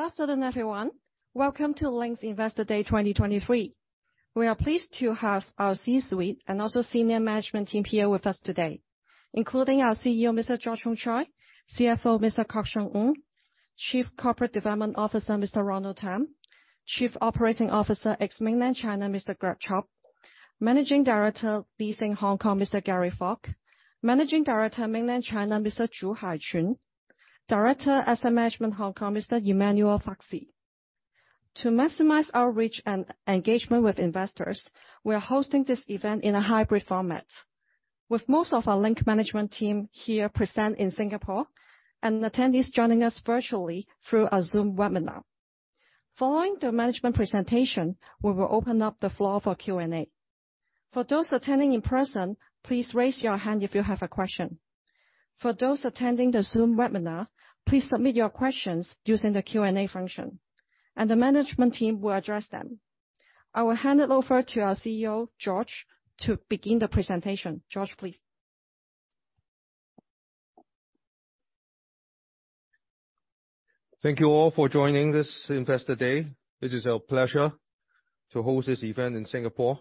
Good afternoon, everyone. Welcome to Link's Investor Day 2023. We are pleased to have our C-suite and also senior management team here with us today, including our CEO, Mr. George Hongchoy, CFO, Mr. Ng Kok Siong, Chief Corporate Development Officer, Mr. Ronald Tham, Chief Operating Officer ex-Mainland China, Mr. Greg Chubb, Managing Director, Leasing Hong Kong, Mr. Gary Fok, Managing Director, Mainland China, Mr. Zhu Haiqun, Director, Asset Management Hong Kong, Mr. Emmanuel Farcis. To maximize our reach and engagement with investors, we are hosting this event in a hybrid format, with most of our Link management team here present in Singapore and attendees joining us virtually through our Zoom webinar. Following the management presentation, we will open up the floor for Q&A. For those attending in person, please raise your hand if you have a question. For those attending the Zoom webinar, please submit your questions using the Q&A function, and the management team will address them. I will hand it over to our CEO, George, to begin the presentation. George, please. Thank you all for joining this Investor Day. It is our pleasure to host this event in Singapore.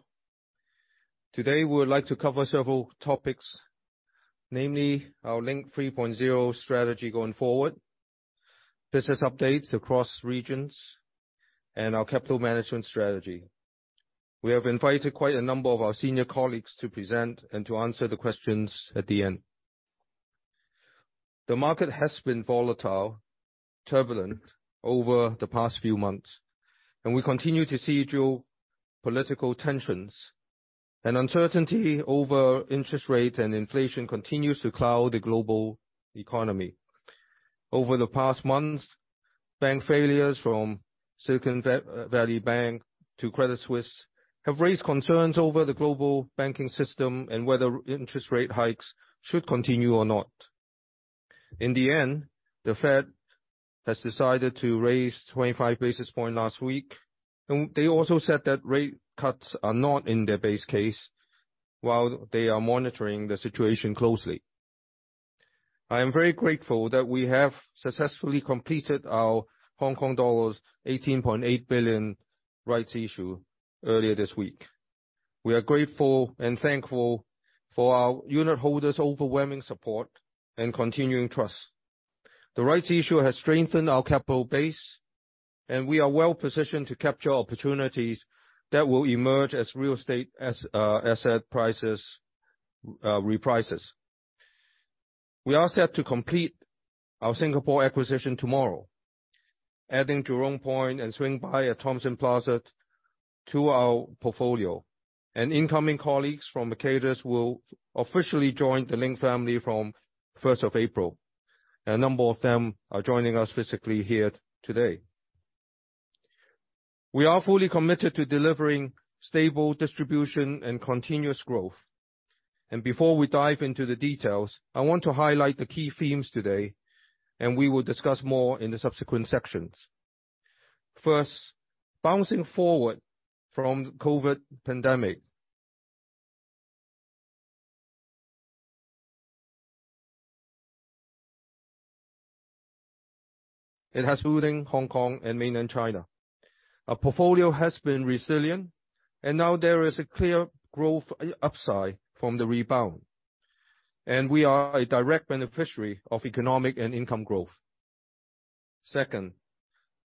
Today, we would like to cover several topics, namely our Link 3.0 strategy going forward, business updates across regions, and our capital management strategy. We have invited quite a number of our senior colleagues to present and to answer the questions at the end. The market has been volatile, turbulent over the past few months. We continue to see geopolitical tensions. Uncertainty over interest rates and inflation continues to cloud the global economy. Over the past months, bank failures from Silicon Valley Bank to Credit Suisse have raised concerns over the global banking system and whether interest rate hikes should continue or not. In the end, the Fed has decided to raise 25 basis point last week, and they also said that rate cuts are not in their base case while they are monitoring the situation closely. I am very grateful that we have successfully completed our Hong Kong dollars 18.8 billion rights issue earlier this week. We are grateful and thankful for our unit holders' overwhelming support and continuing trust. The rights issue has strengthened our capital base, and we are well-positioned to capture opportunities that will emerge as real estate as asset prices reprices. We are set to complete our Singapore acquisition tomorrow, adding Jurong Point and Swing By @ Thomson Plaza to our portfolio. Incoming colleagues from Mercatus will officially join the Link family from 1st of April. A number of them are joining us physically here today. We are fully committed to delivering stable distribution and continuous growth. Before we dive into the details, I want to highlight the key themes today, and we will discuss more in the subsequent sections. First, bouncing forward from the COVID pandemic. It has boosted Hong Kong and Mainland China. Our portfolio has been resilient, and now there is a clear growth upside from the rebound. We are a direct beneficiary of economic and income growth. Second,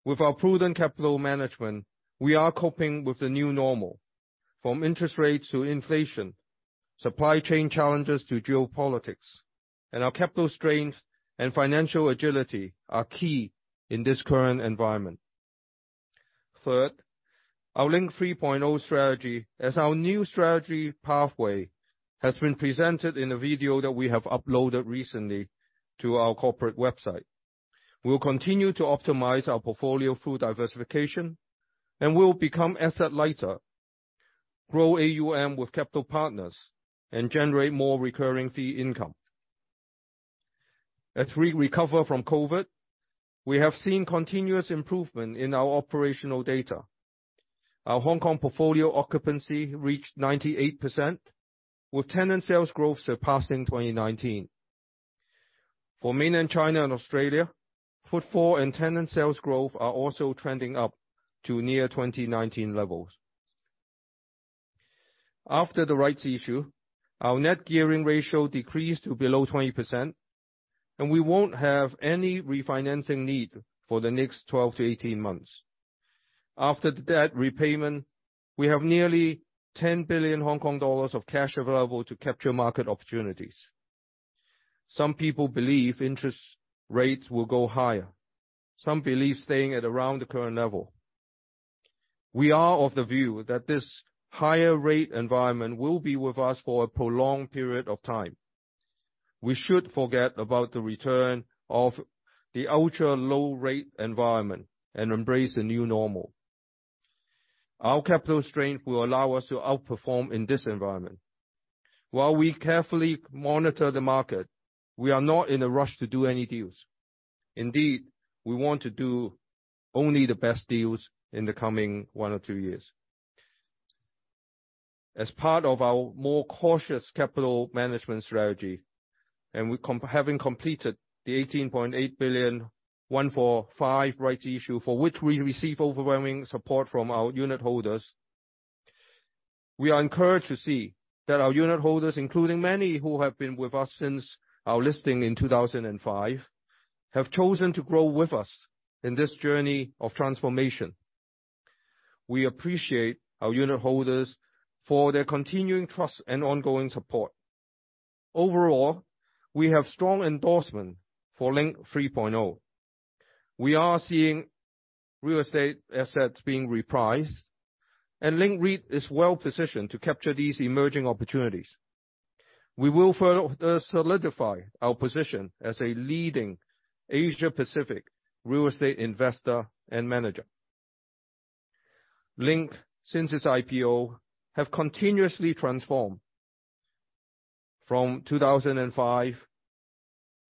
with our prudent capital management, we are coping with the new normal, from interest rates to inflation, supply chain challenges to geopolitics. Our capital strength and financial agility are key in this current environment. Third, our Link 3.0 strategy, as our new strategy pathway, has been presented in a video that we have uploaded recently to our corporate website. We will continue to optimize our portfolio through diversification, and we will become asset-lighter, grow AUM with capital partners, and generate more recurring fee income. As we recover from COVID, we have seen continuous improvement in our operational data. Our Hong Kong portfolio occupancy reached 98%, with tenant sales growth surpassing 2019. For Mainland China and Australia, footfall and tenant sales growth are also trending up to near 2019 levels. After the rights issue, our net gearing ratio decreased to below 20%, and we won't have any refinancing need for the next 12-18 months. After the debt repayment, we have nearly 10 billion Hong Kong dollars of cash available to capture market opportunities. Some people believe interest rates will go higher. Some believe staying at around the current level. We are of the view that this higher rate environment will be with us for a prolonged period of time. We should forget about the return of the ultra-low rate environment and embrace the new normal. Our capital strength will allow us to outperform in this environment. While we carefully monitor the market, we are not in a rush to do any deals. Indeed, we want to do only the best deals in the coming one or two years. As part of our more cautious capital management strategy, having completed the 18.8 billion 145 rights issue, for which we received overwhelming support from our unit holders. We are encouraged to see that our unit holders, including many who have been with us since our listing in 2005, have chosen to grow with us in this journey of transformation. We appreciate our unit holders for their continuing trust and ongoing support. Overall, we have strong endorsement for Link 3.0. We are seeing real estate assets being repriced. Link REIT is well-positioned to capture these emerging opportunities. We will solidify our position as a leading Asia Pacific real estate investor and manager.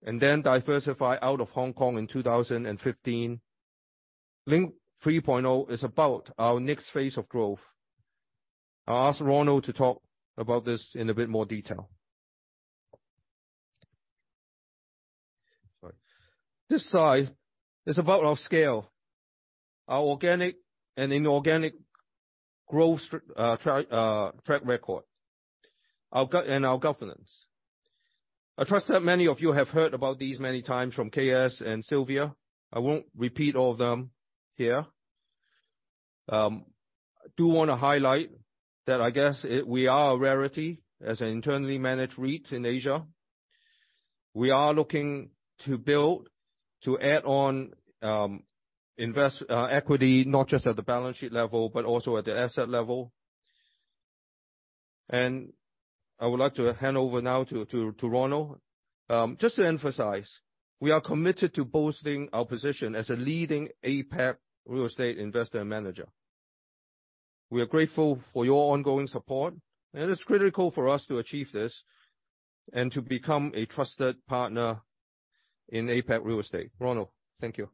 Link, since its IPO, have continuously transformed from 2005, then diversify out of Hong Kong in 2015. Link 3.0 is about our next phase of growth. I'll ask Ronald to talk about this in a bit more detail. Sorry. This slide is about our scale, our organic and inorganic growth track record and our governance. I trust that many of you have heard about this many times from KS and Sylvia. I won't repeat all of them here. I do wanna highlight that I guess it, we are a rarity as an internally managed REIT in Asia. We are looking to build, to add on, invest equity, not just at the balance sheet level, but also at the asset level. I would like to hand over now to Ronald. Just to emphasize, we are committed to boosting our position as a leading APAC real estate investor and manager. We are grateful for your ongoing support, and it's critical for us to achieve this, and to become a trusted partner in APAC real estate. Ronald. Thank you.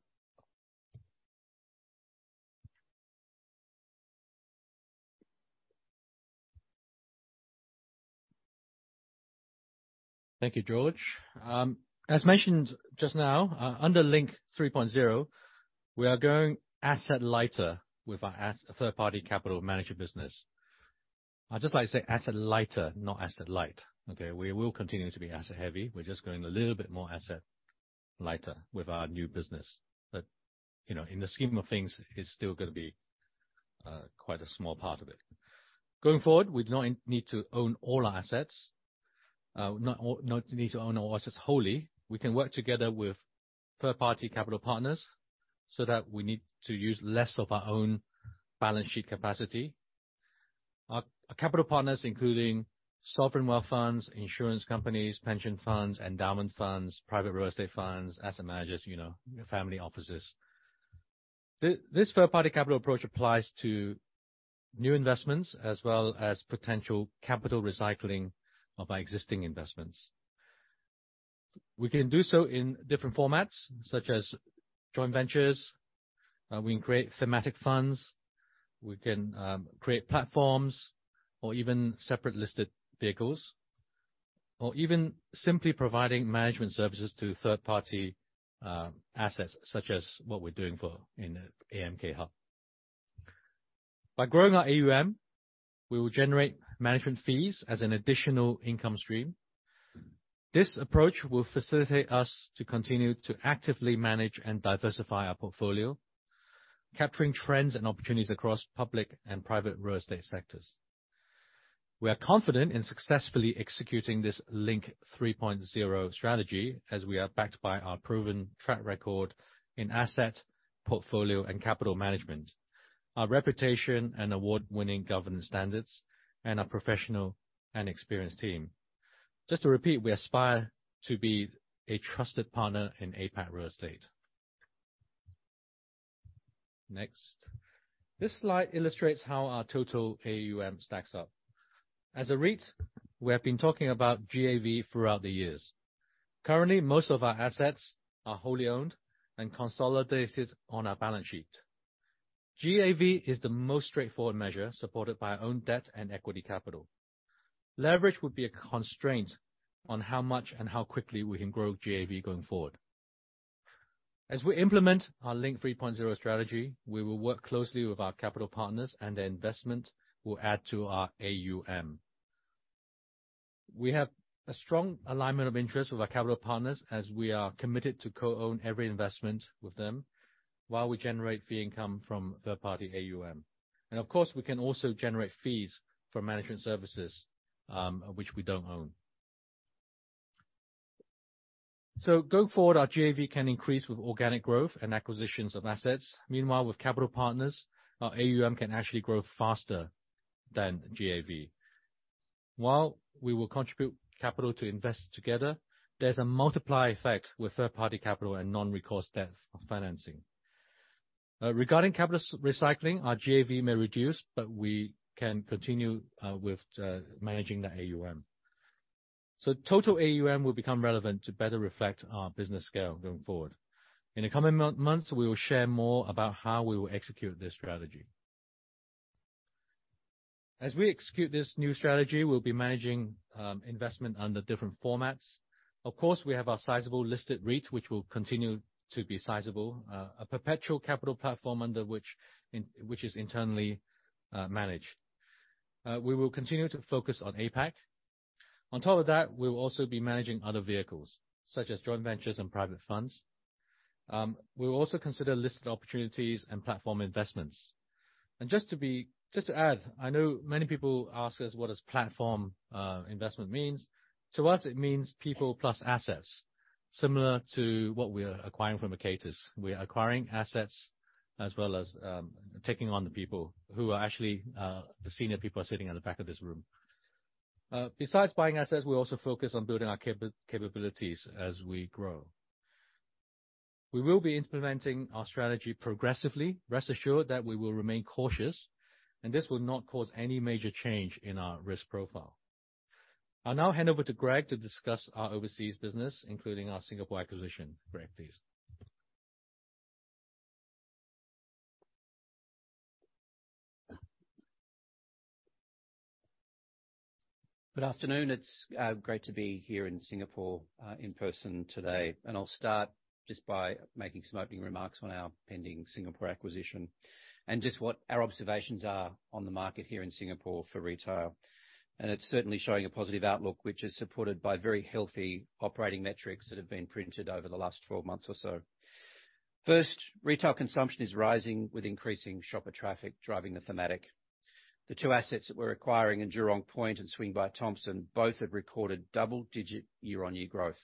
Thank you, George. As mentioned just now, under Link 3.0, we are going asset-lighter with our third-party capital manager business. I'd just like to say asset-lighter, not asset-light, okay? We will continue to be asset-heavy. We're just going a little bit more asset-lighter with our new business. You know, in the scheme of things, it's still gonna be quite a small part of it. Going-forward, we do not need to own all our assets. Not need to own all our assets wholly. We can work together with third-party capital partners so that we need to use less of our own balance sheet capacity. Our capital partners, including sovereign wealth funds, insurance companies, pension funds, endowment funds, private real estate funds, asset managers, you know, family offices. This third-party capital approach applies to new investments as well as potential capital recycling of our existing investments. We can do so in different formats, such as joint ventures. We can create thematic funds. We can create platforms or even separate listed vehicles. Even simply providing management services to third-party assets, such as what we're doing for in AMK Hub. By growing our AUM, we will generate management fees as an additional income stream. This approach will facilitate us to continue to actively manage and diversify our portfolio, capturing trends and opportunities across public and private real estate sectors. We are confident in successfully executing this Link 3.0 strategy as we are backed by our proven track record in asset, portfolio, and capital management, our reputation and award-winning governance standards, and our professional and experienced team. Just to repeat, we aspire to be a trusted partner in APAC real estate. Next. This slide illustrates how our total AUM stacks up. As a REIT, we have been talking about GAV throughout the years. Currently, most of our assets are wholly owned and consolidated on our balance sheet. GAV is the most straightforward measure, supported by our own debt and equity capital. Leverage would be a constraint on how much and how quickly we can grow GAV going-forward. As we implement our Link 3.0 strategy, we will work closely with our capital partners. Their investment will add to our AUM. We have a strong alignment of interest with our capital partners, as we are committed to co-own every investment with them, while we generate fee income from third-party AUM. Of course, we can also generate fees from management services, which we don't own. Going forward, our GAV can increase with organic growth and acquisitions of assets. Meanwhile, with capital partners, our AUM can actually grow faster than GAV. While we will contribute capital to invest together, there's a multiply effect with third-party capital and non-recourse debt financing. Regarding capital recycling, our GAV may be reduced, but we can continue with managing the AUM. Total AUM will become relevant to better reflect our business scale going forward. In the coming months, we will share more about how we will execute this strategy. As we execute this new strategy, we'll be managing investment under different formats. Of course, we have our sizable listed REIT, which will continue to be sizable, a perpetual capital platform under which is internally managed. We will continue to focus on APAC. On top of that, we will also be managing other vehicles, such as joint ventures and private funds. We'll also consider listed opportunities and platform investments. Just to add, I know many people ask us what does platform investment means. To us, it means people plus assets, similar to what we are acquiring from Mercatus. We are acquiring assets as well as taking on the people who are actually the senior people sitting at the back of this room. Besides buying assets, we also focus on building our capabilities as we grow. We will be implementing our strategy progressively. Rest assured that we will remain cautious, and this will not cause any major change in our risk profile. I'll now hand over to Greg to discuss our overseas business, including our Singapore acquisition. Greg, please. Good afternoon. It's great to be here in Singapore in person today. I'll start just by making some opening remarks on our pending Singapore acquisition, and just what our observations are on the market here in Singapore for retail. It's certainly showing a positive outlook, which is supported by very healthy operating metrics that have been printed over the last 12 months or so. First, retail consumption is rising with increasing shopper traffic driving the thematic. The two assets that we're acquiring in Jurong Point and Swing By Thomson both have recorded double-digit year-on-year growth.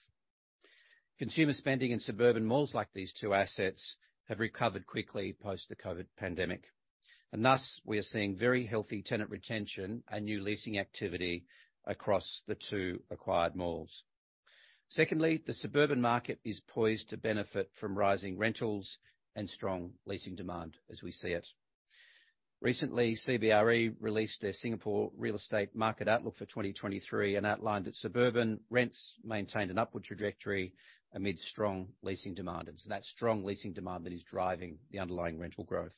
Consumer spending in suburban malls like these two assets have recovered quickly post the COVID pandemic, thus we are seeing very healthy tenant retention and new leasing activity across the two acquired malls. Secondly, the suburban market is poised to benefit from rising rentals and strong leasing demand as we see it. Recently, CBRE released their Singapore real estate market outlook for 2023 and outlined that suburban rents maintained an upward trajectory amid strong leasing demand. It's that strong leasing demand that is driving the underlying rental growth.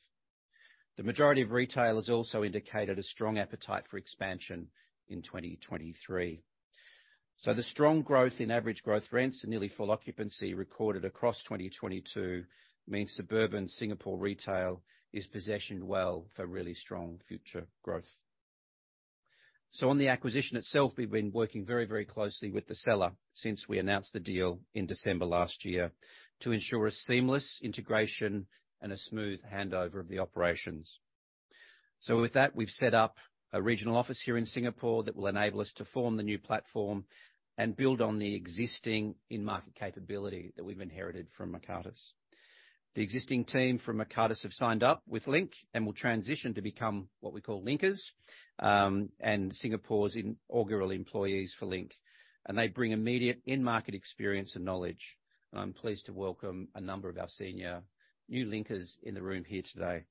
The majority of retailers also indicated a strong appetite for expansion in 2023. The strong growth in average growth rents and nearly full occupancy recorded across 2022 means suburban Singapore retail is positioned well for really strong future growth. On the acquisition itself, we've been working very, very closely with the seller since we announced the deal in December last year to ensure a seamless integration and a smooth handover of the operations. With that, we've set up a regional office here in Singapore that will enable us to form the new platform and build on the existing in-market capability that we've inherited from Mercatus. The existing team from Mercatus have signed up with Link and will transition to become what we call Linkers, and Singapore's inaugural employees for Link. They bring immediate in-market experience and knowledge. I'm pleased to welcome a number of our senior new Linkers in the room here today.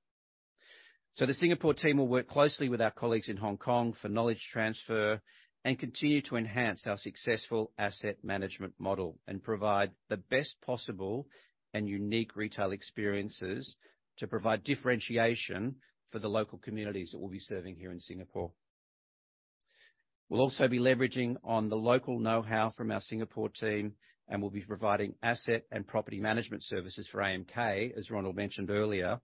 The Singapore team will work closely with our colleagues in Hong Kong for knowledge transfer and continue to enhance our successful asset management model and provide the best possible and unique retail experiences to provide differentiation for the local communities that we'll be serving here in Singapore. We'll also be leveraging on the local know-how from our Singapore team, and we'll be providing asset and property management services for AMK, as Ronald mentioned earlier.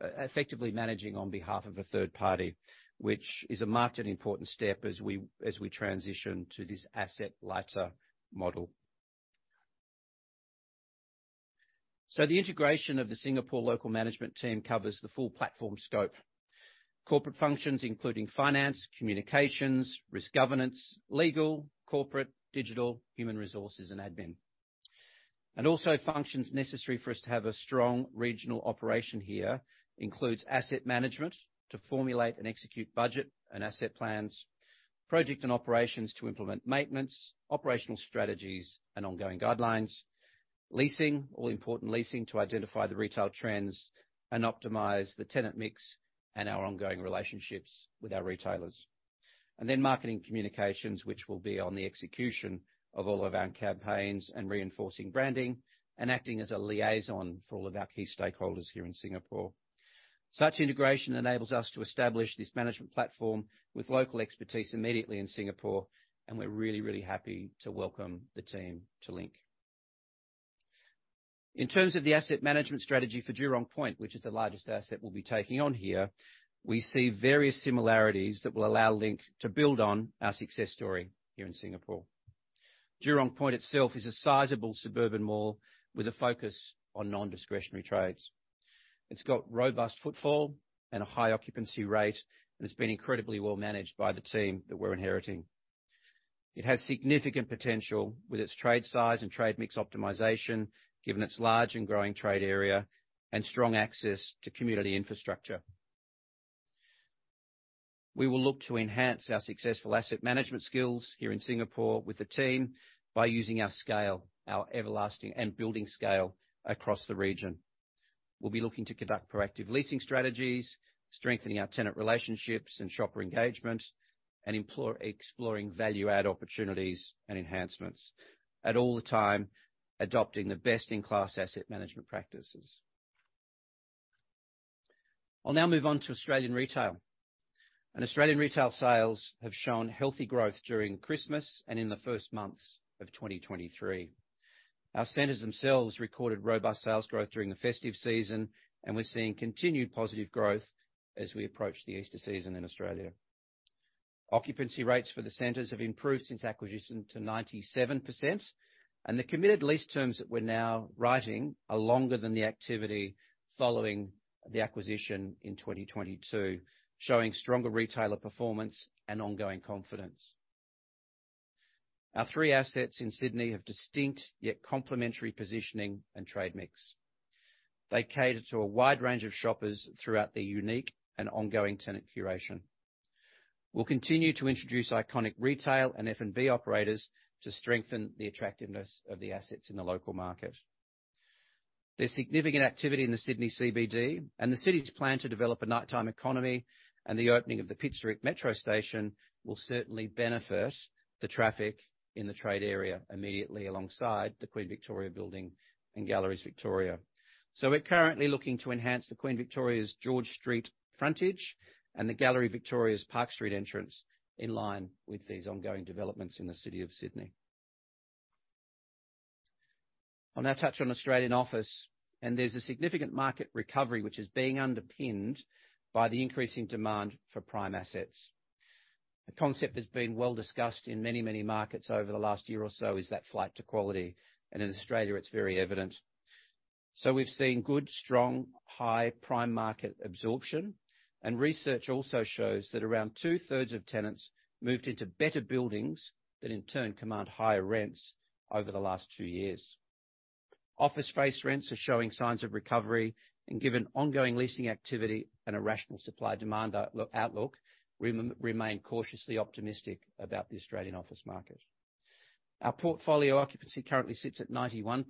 effectively managing on behalf of a third party, which is a marked and important step as we transition to this asset-lighter model. The integration of the Singapore local management team covers the full platform scope. Corporate functions including finance, communications, risk governance, legal, corporate, digital, human resources, and admin. Also, functions necessary for us to have a strong regional operation here, includes asset management to formulate and execute budget and asset plans, project and operations to implement maintenance, operational strategies, and ongoing guidelines, leasing, all-important leasing to identify the retail trends and optimize the tenant mix, and our ongoing relationships with our retailers. Marketing communications, which will be on the execution of all of our campaigns, and reinforcing branding, and acting as a liaison for all of our key stakeholders here in Singapore. Such integration enables us to establish this management platform with local expertise immediately in Singapore. We're really happy to welcome the team to Link. In terms of the asset management strategy for Jurong Point, which is the largest asset we'll be taking on here, we see various similarities that will allow Link to build on our success story here in Singapore. Jurong Point itself is a sizable suburban mall with a focus on non-discretionary trades. It's got robust footfall and a high occupancy rate. It's been incredibly well managed by the team that we're inheriting. It has significant potential with its trade size and trade mix optimization, given its large and growing trade area and strong access to community infrastructure. We will look to enhance our successful asset management skills here in Singapore with the team by using our scale, our everlasting and building scale across the region. We'll be looking to conduct proactive leasing strategies, strengthening our tenant relationships and shopper engagement, exploring value-add opportunities and enhancements, at all the time, adopting the best-in-class asset management practices. I'll now move on to Australian retail. Australian retail sales have shown healthy growth during Christmas and in the first months of 2023. Our centers themselves recorded robust sales growth during the festive season, and we're seeing continued positive growth as we approach the Easter season in Australia. Occupancy rates for the centers have improved since the acquisition to 97%, and the committed lease terms that we're now writing are longer than the activity following the acquisition in 2022, showing stronger retailer performance and ongoing confidence. Our three assets in Sydney have distinct yet complementary positioning and trade mix. They cater to a wide range of shoppers throughout their unique and ongoing tenant curation. We'll continue to introduce iconic retail and F&B operators to strengthen the attractiveness of the assets in the local market. There's significant activity in the Sydney CBD, and the city's plan to develop a nighttime economy and the opening of the Pitt Street Metro Station will certainly benefit the traffic in the trade area immediately alongside the Queen Victoria Building and the Galeries Victoria. We're currently looking to enhance the Queen Victoria's George Street frontage and the Galeries Victoria's Park Street entrance in line with these ongoing developments in the city of Sydney. I'll now touch on Australian office. There's a significant market recovery which is being underpinned by the increasing demand for prime assets. The concept that's been well discussed in many, many markets over the last year or so is that flight to quality. In Australia, it's very evident. We've seen good, strong, high prime market absorption. Research also shows that around two-thirds of tenants moved into better buildings that in turn, command higher rents over the last two years. Office space rents are showing signs of recovery, and given ongoing leasing activity and a rational supply-demand outlook, remain cautiously optimistic about the Australian office market. Our portfolio occupancy currently sits at 91%,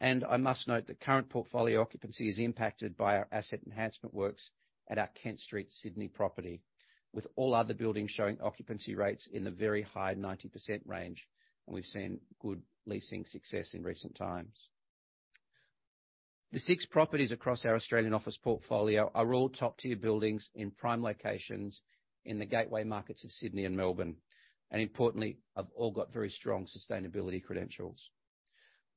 and I must note that current portfolio occupancy is impacted by our asset enhancement works at our Kent Street Sydney property, with all other buildings showing occupancy rates in the very high 90% range, and we've seen good leasing success in recent times. The six properties across our Australian office portfolio are all top-tier buildings in prime locations in the gateway markets of Sydney and Melbourne, and importantly, have all got very strong sustainability credentials.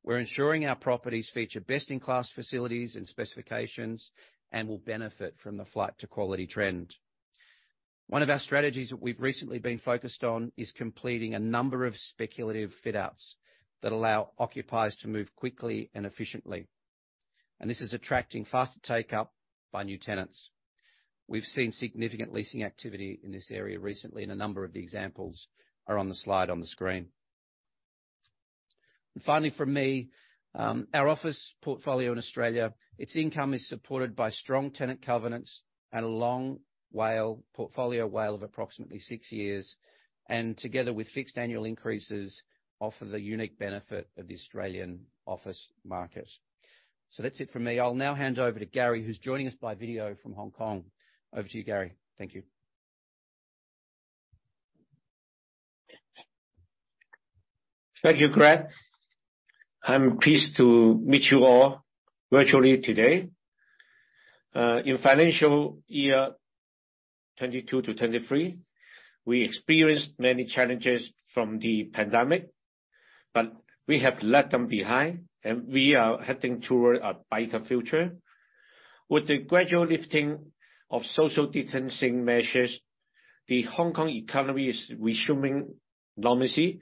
We're ensuring our properties feature best-in-class facilities and specifications, and will benefit from the flight-to-quality trend. One of our strategies that we've recently been focused on is completing a number of speculative fit-outs that allow occupiers to move quickly and efficiently. This is attracting faster take-up by new tenants. We've seen significant leasing activity in this area recently, and a number of the examples are on the slide on the screen. Finally, from me, our office portfolio in Australia, its income is supported by strong tenant covenants and a long WALE, portfolio WALE of approximately six years, and together with fixed annual increases, offer the unique benefit of the Australian office market. That's it from me. I'll now hand over to Gary, who's joining us by video from Hong Kong. Over to you, Gary. Thank you. Thank you, Greg. I'm pleased to meet you all virtually today. In the financial year 2022 to 2023, we experienced many challenges from the pandemic, but we have left them behind, and we are heading toward a brighter future. With the gradual lifting of social distancing measures, the Hong Kong economy is resuming normalcy.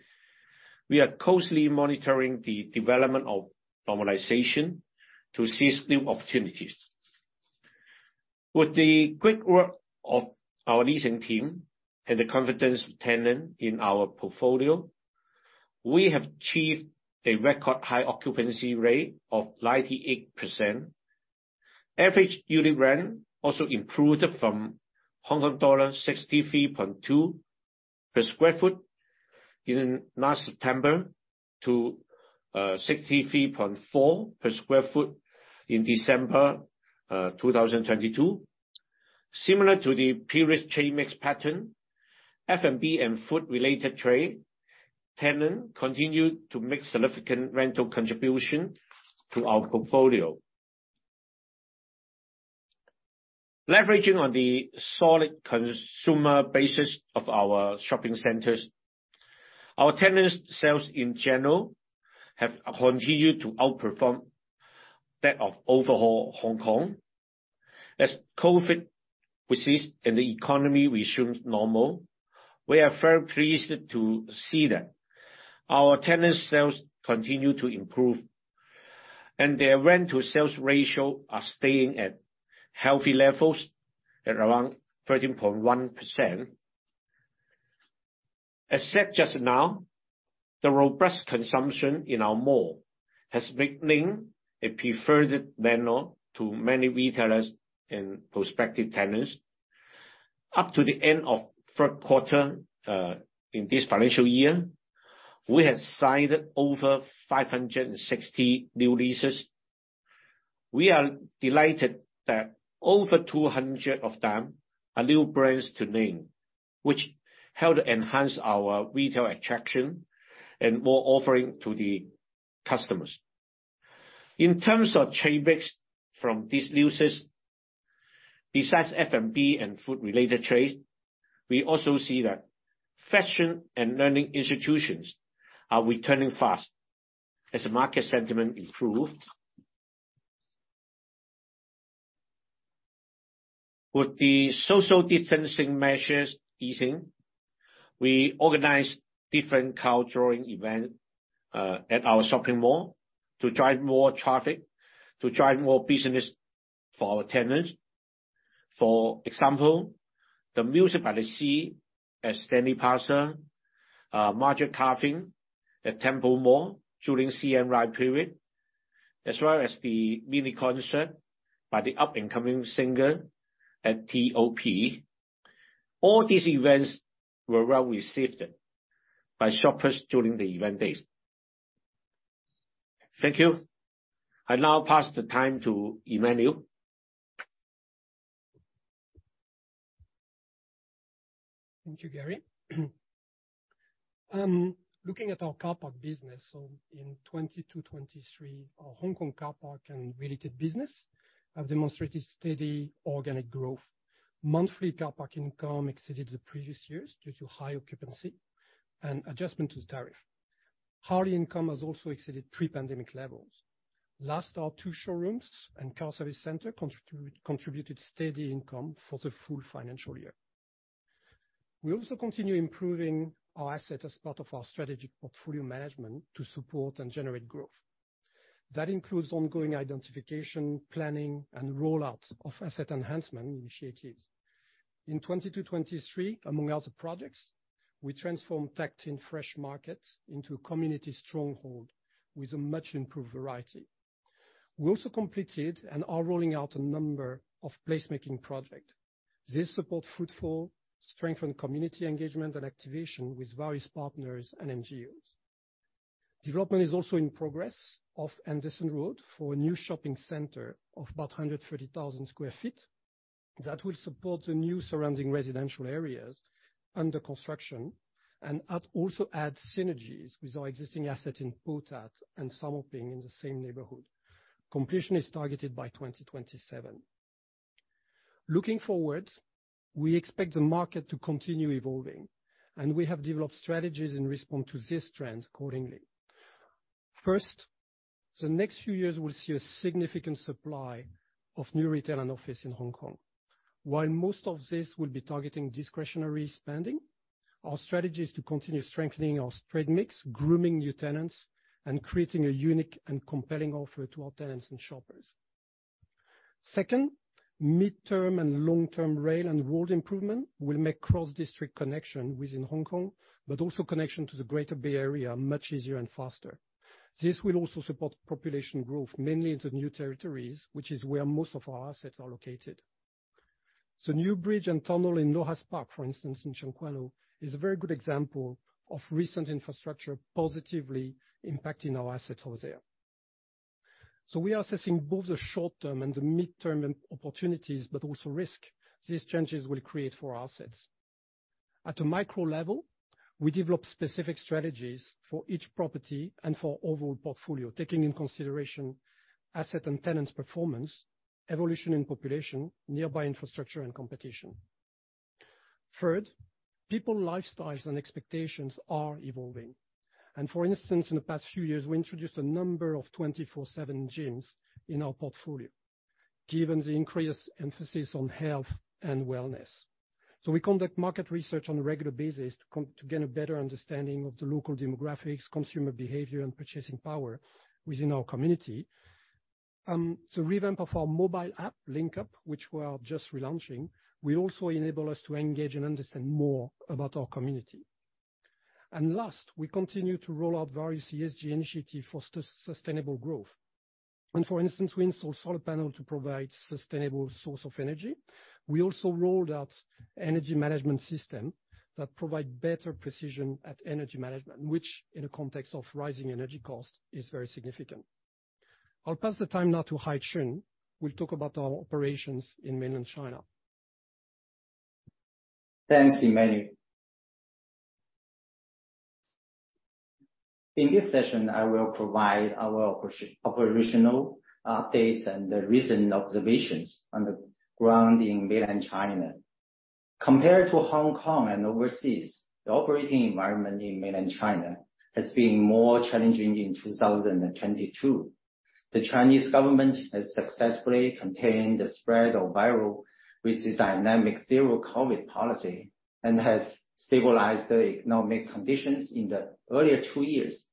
We are closely monitoring the development of normalization to seize new opportunities. With the great work of our leasing team and the confidence of tenant in our portfolio, we have achieved a record high occupancy rate of 98%. Average unit rent also improved from Hong Kong dollar 63.2 per sq ft in last September to 63.4 per sq ft in December 2022. Similar to the previous chain mix pattern, F&B and food-related trade tenant continued to make significant rental contribution to our portfolio. Leveraging on the solid consumer basis of our shopping centers, our tenant sales in general have continued to outperform that of overall Hong Kong. As COVID recedes and the economy resumes normal, we are very pleased to see that our tenant sales continue to improve and their rent-to-sales ratio are staying at healthy levels at around 13.1%. As said just now, the robust consumption in our mall has remained a preferred venue to many retailers and prospective tenants. Up to the end of third quarter, in this financial year, we have signed over 560 new leases. We are delighted that over 200 of them are new brands to name, which help to enhance our retail attraction and more offering to the customers. In terms of trade mix from these leases, besides F&B and food-related trade, we also see that fashion and learning institutions are returning fast as the market sentiment improved. With the social distancing measures easing, we organized different cultural events at our shopping mall to drive more traffic, to drive more business for our tenants. For example, the Music by the Sea at Stanley Plaza, Mag Lam at Temple Mall during CNY period, as well as the mini concert by the up-and-coming singer at T.O.P. All these events were well-received by shoppers during the event days. Thank you. I now pass the time to Emmanuel. Thank you, Gary. Looking at our car park business. In 2022-2023, our Hong Kong car park and related business have demonstrated steady organic growth. Monthly car park income exceeded the previous years due to high occupancy and adjustments to the tariff. Harley income has also exceeded pre-pandemic levels. Last are two showrooms and car service center contributed steady income for the full financial year. We also continue improving our assets as part of our strategic portfolio management to support and generate growth. That includes ongoing identification, planning, and rollout of asset enhancement initiatives. In 2022-2023, among other projects, we transformed Tak Tin Fresh Market into a community stronghold with a much-improved variety. We also completed and are rolling out a number of placemaking projects. This support footfall, strengthens community engagement and activation with various partners and NGOs. Development is also in progress off Anderson Road for a new shopping center of about 130,000 sq ft that will support the new surrounding residential areas under construction, also add synergies with our existing asset in Po Tat and Sau Mau Ping in the same neighborhood. Completion is targeted by 2027. Looking forward, we expect the market to continue evolving. We have developed strategies in response to these trends accordingly. First, the next few years will see a significant supply of new retail and office in Hong Kong. While most of this will be targeting discretionary spending, our strategy is to continue strengthening our trade mix, grooming new tenants, and creating a unique and compelling offer to our tenants and shoppers. Second, mid-term and long-term rail and road improvement will make cross-district connections within Hong Kong, but also connections to the Greater Bay Area, much easier and faster. This will also support population growth, mainly in the New Territories, which is where most of our assets are located. The new bridge and tunnel in Lohas Park, for instance, in Tseung Kwan O, is a very good example of recent infrastructure positively impacting our assets over there. We are assessing both the short-term and the mid-term opportunities, but also risk these changes will create for our assets. At a micro level, we develop specific strategies for each property and for overall portfolio, taking in consideration asset and tenants' performance, evolution in population, nearby infrastructure, and competition. Third, people's lifestyles and expectations are evolving. In the past few years, we introduced a number of 24/7 gyms in our portfolio, given the increased emphasis on health and wellness. We conduct market research on a regular basis to get a better understanding of the local demographics, consumer behavior, and purchasing power within our community. The revamp of our mobile app, Link Up, which we are just relaunching, will also enable us to engage and understand more about our community. Last, we continue to roll out various ESG initiatives for sustainable growth. For instance, we installed solar panel to provide sustainable source of energy. We also rolled out energy management system that provide better precision at energy management, which, in the context of rising energy costs, is very significant. I'll pass the time now to Haiqun, who will talk about our operations in Mainland China. Thanks, Emmanuel. In this session, I will provide our operational updates and the recent observations on the ground in mainland China. Compared to Hong Kong and overseas, the operating environment in mainland China has been more challenging in 2022. The Chinese government has successfully contained the spread of virus with the dynamic zero-covid policy, and has stabilized the economic conditions in the earlier two years.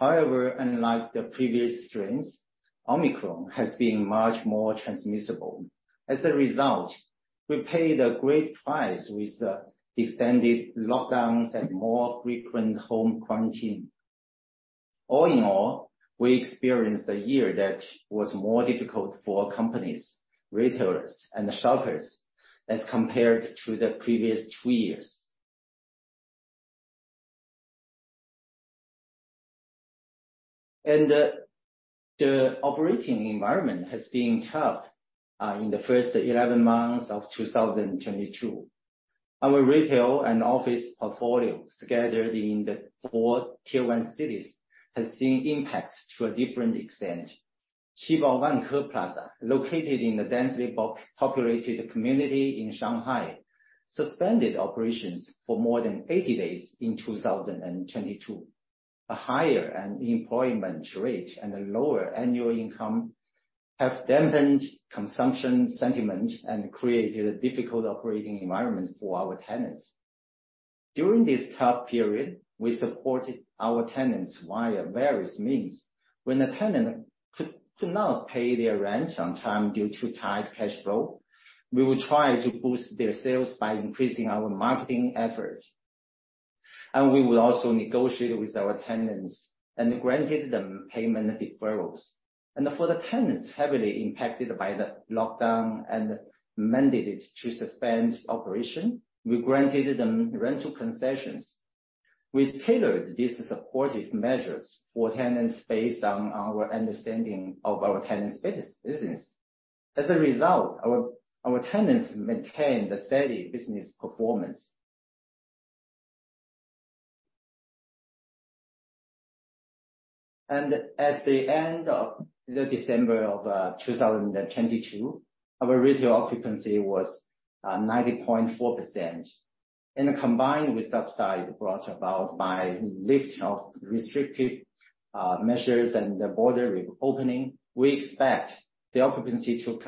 However, unlike the previous strains, Omicron has been much more transmissible. As a result, we paid a great price with the extended lockdowns and more frequent home quarantine. All in all, we experienced a year that was more difficult for companies, retailers, and shoppers as compared to the previous two years. The operating environment has been tough in the first 11 months of 2022. Our retail and office portfolios gathered in the four tier one cities has seen impacts to a different extent. Qibao Vanke Plaza, located in the densely populated community in Shanghai, suspended operations for more than 80 days in 2022. A higher unemployment rate and a lower annual income have dampened consumption sentiment and created a difficult operating environment for our tenants. During this tough period, we supported our tenants via various means. When a tenant could not pay their rent on time due to tight cash flow, we will try to boost their sales by increasing our marketing efforts. We will also negotiate with our tenants and granted them payment deferrals. For the tenants heavily impacted by the lockdown and mandated to suspend operation, we granted them rental concessions. We tailored these supportive measures for tenants based on our understanding of our tenants' business. As a result, our tenants maintained a steady business performance. At the end of December 2022, our retail occupancy was 90.4%. Combined with upside brought about by lift of restrictive measures and the border re-opening, we expect the occupancy to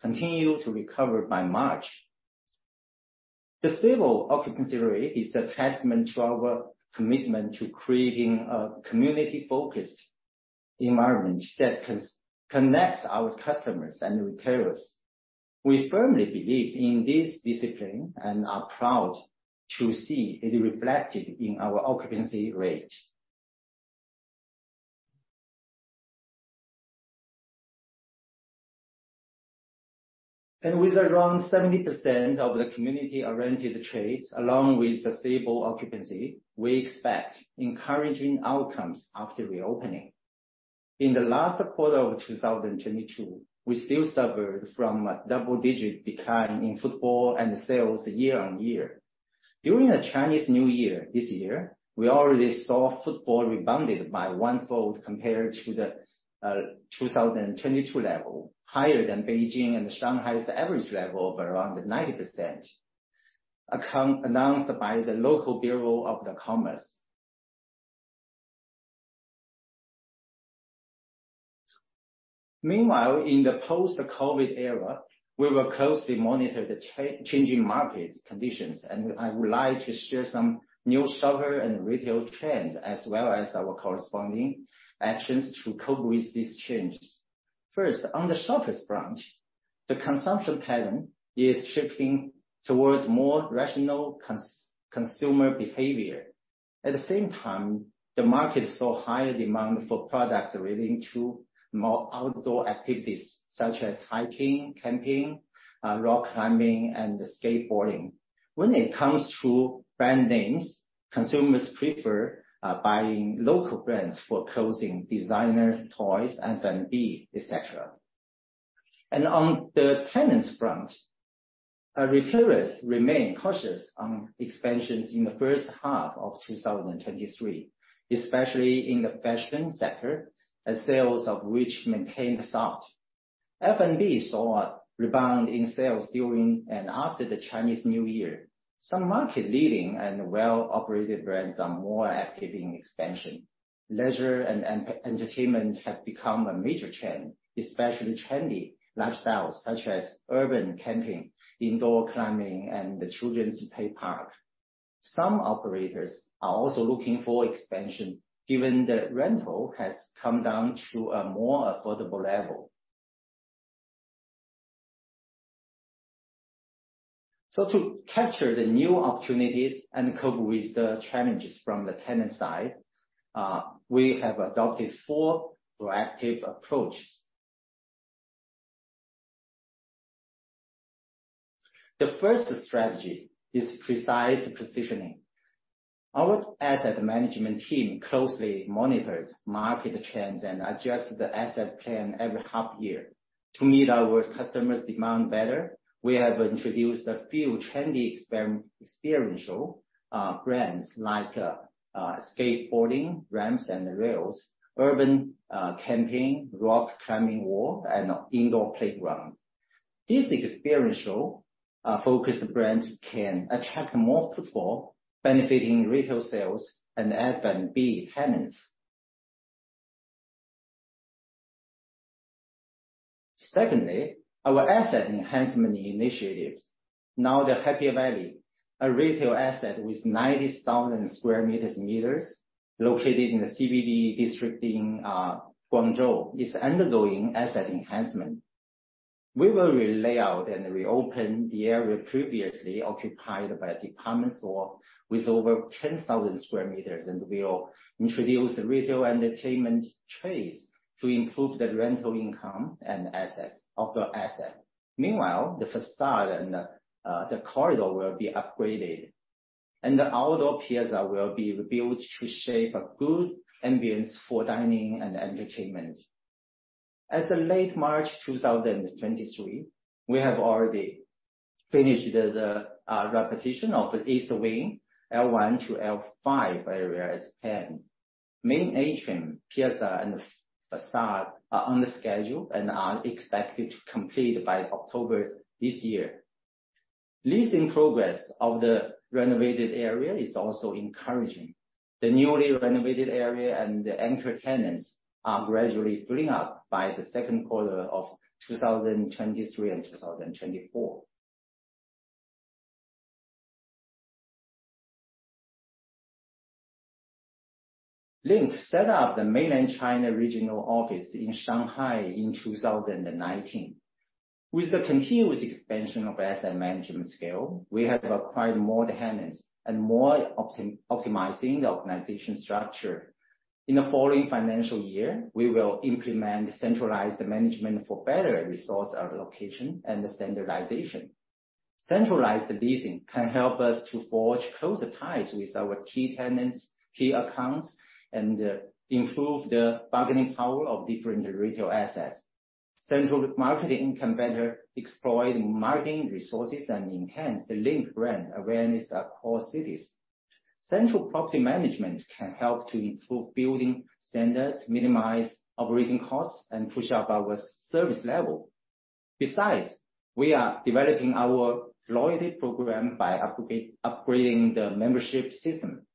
continue to recover by March. The stable occupancy rate is a testament to our commitment to creating a community-focused environment that connects our customers and retailers. We firmly believe in this discipline and are proud to see it reflected in our occupancy rate. With around 70% of the community-oriented trades along with the stable occupancy, we expect encouraging outcomes after reopening. In the last quarter of 2022, we still suffered from a double-digit decline in football and sales year-on-year. During the Chinese New Year this year, we already saw footfall rebounded by one-fold compared to the 2022 level, higher than Beijing and Shanghai's average level of around 90%, account announced by the local Bureau of the Commerce. Meanwhile, in the post-COVID era, we will closely monitor the changing market conditions, and I would like to share some new shopper and retail trends, as well as our corresponding actions to cope with these changes. First, on the shoppers' front, the consumption pattern is shifting towards more rational consumer behavior. At the same time, the market saw higher demand for products relating to more outdoor activities such as hiking, camping, rock climbing, and skateboarding. When it comes to brand names, consumers prefer buying local brands for clothing, designer toys, F&B, etc. On the tenants front, our retailers remain cautious on expansions in the first half of 2023, especially in the fashion sector, as sales of which maintained soft. F&B saw a rebound in sales during and after the Chinese New Year. Some market-leading and well-operated brands are more active in expansion. Leisure and entertainment have become a major trend, especially trendy lifestyles such as urban camping, indoor climbing, and the children's play parks. Some operators are also looking for expansion, given that rental has come down to a more affordable level. To capture the new opportunities and cope with the challenges from the tenant side, we have adopted four proactive approaches. The first strategy is precise positioning. Our asset management team closely monitors market trends and adjusts the asset plan every half year. To meet our customers' demand better, we have introduced a few trendy experiential brands like skateboarding ramps and rails, urban camping, rock climbing wall, and indoor playgrounds. These experiential-focused brands can attract more people, benefiting retail sales and F&B tenants. Secondly, our asset enhancement initiatives. Now the Happy Valley, a retail asset with 90,000 sq m located in the CBD district in Guangzhou, is undergoing asset enhancement. We will re-layout and reopen the area previously occupied by department store with over 10,000 sq m, and we'll introduce retail entertainment trades to improve the rental income of the asset. Meanwhile, the facade and the corridor will be upgraded, and the outdoor piazza will be rebuilt to shape a good ambience for dining and entertainment. As of late March 2023, we have already finished the repetition of the east wing, L-one to L-five area as planned. Main atrium, piazza, and facade are on the schedule and are expected to complete by October this year. Leasing progress of the renovated area is also encouraging. The newly renovated area and the anchor tenants are gradually filling up by the second quarter of 2023 and 2024. Link set up the Mainland China regional office in Shanghai in 2019. With the continuous expansion of asset management scale, we have acquired more tenants and more optimizing the organization structure. In the following financial year, we will implement centralized management for better resource allocation and standardization. Centralized leasing can help us to forge closer ties with our key tenants, key accounts, and improve the bargaining power of different retail assets. Central marketing can better exploit marketing resources and enhance the Link brand awareness across cities. Central property management can help to improve building standards, minimize operating costs, and push up our service level. Besides, we are developing our loyalty program by upgrading the membership system.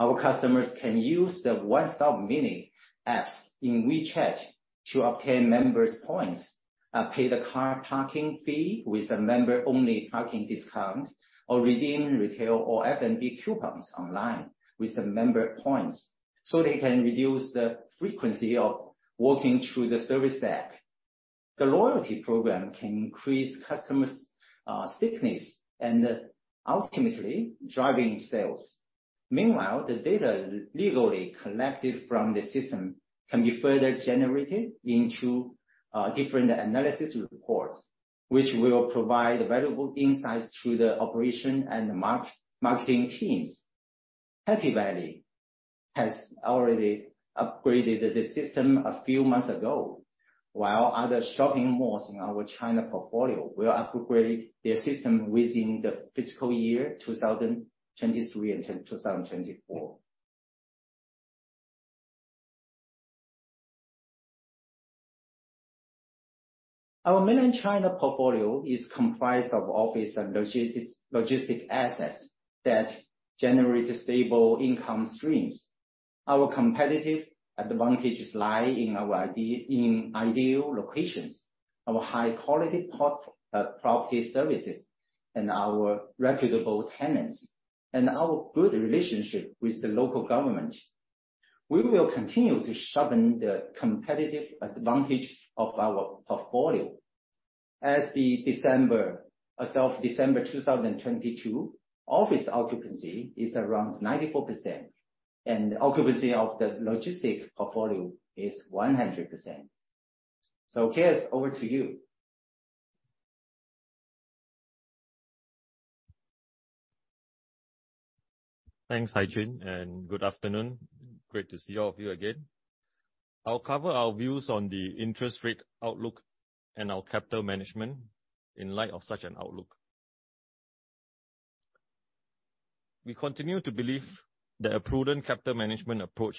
Our customers can use the one-stop mini apps in WeChat to obtain members' points, pay the car parking fee with the member-only parking discount, or redeem retail or F&B coupons online with the member points, so they can reduce the frequency of walking through the service deck. The loyalty program can increase customers, stickiness, and ultimately driving sales. Meanwhile, the data legally collected from the system can be further generated into different analysis reports, which will provide valuable insights to the operation and marketing teams. Happy Valley has already upgraded the system a few months ago, while other shopping malls in our China portfolio will upgrade their system within the fiscal year 2023 and 2024. Our Mainland China portfolio is comprised of office and logistics assets that generate stable income streams. Our competitive advantages lie in our ideal locations, our high-quality property services, and our reputable tenants, and our good relationship with the local government. We will continue to sharpen the competitive advantage of our portfolio. As of December 2022, office occupancy is around 94%, and occupancy of the logistic portfolio is 100%. Kok, over to you. Thanks, Haiqun, and good afternoon. Great to see all of you again. I'll cover our views on the interest rate outlook and our capital management in light of such an outlook. We continue to believe that a prudent capital management approach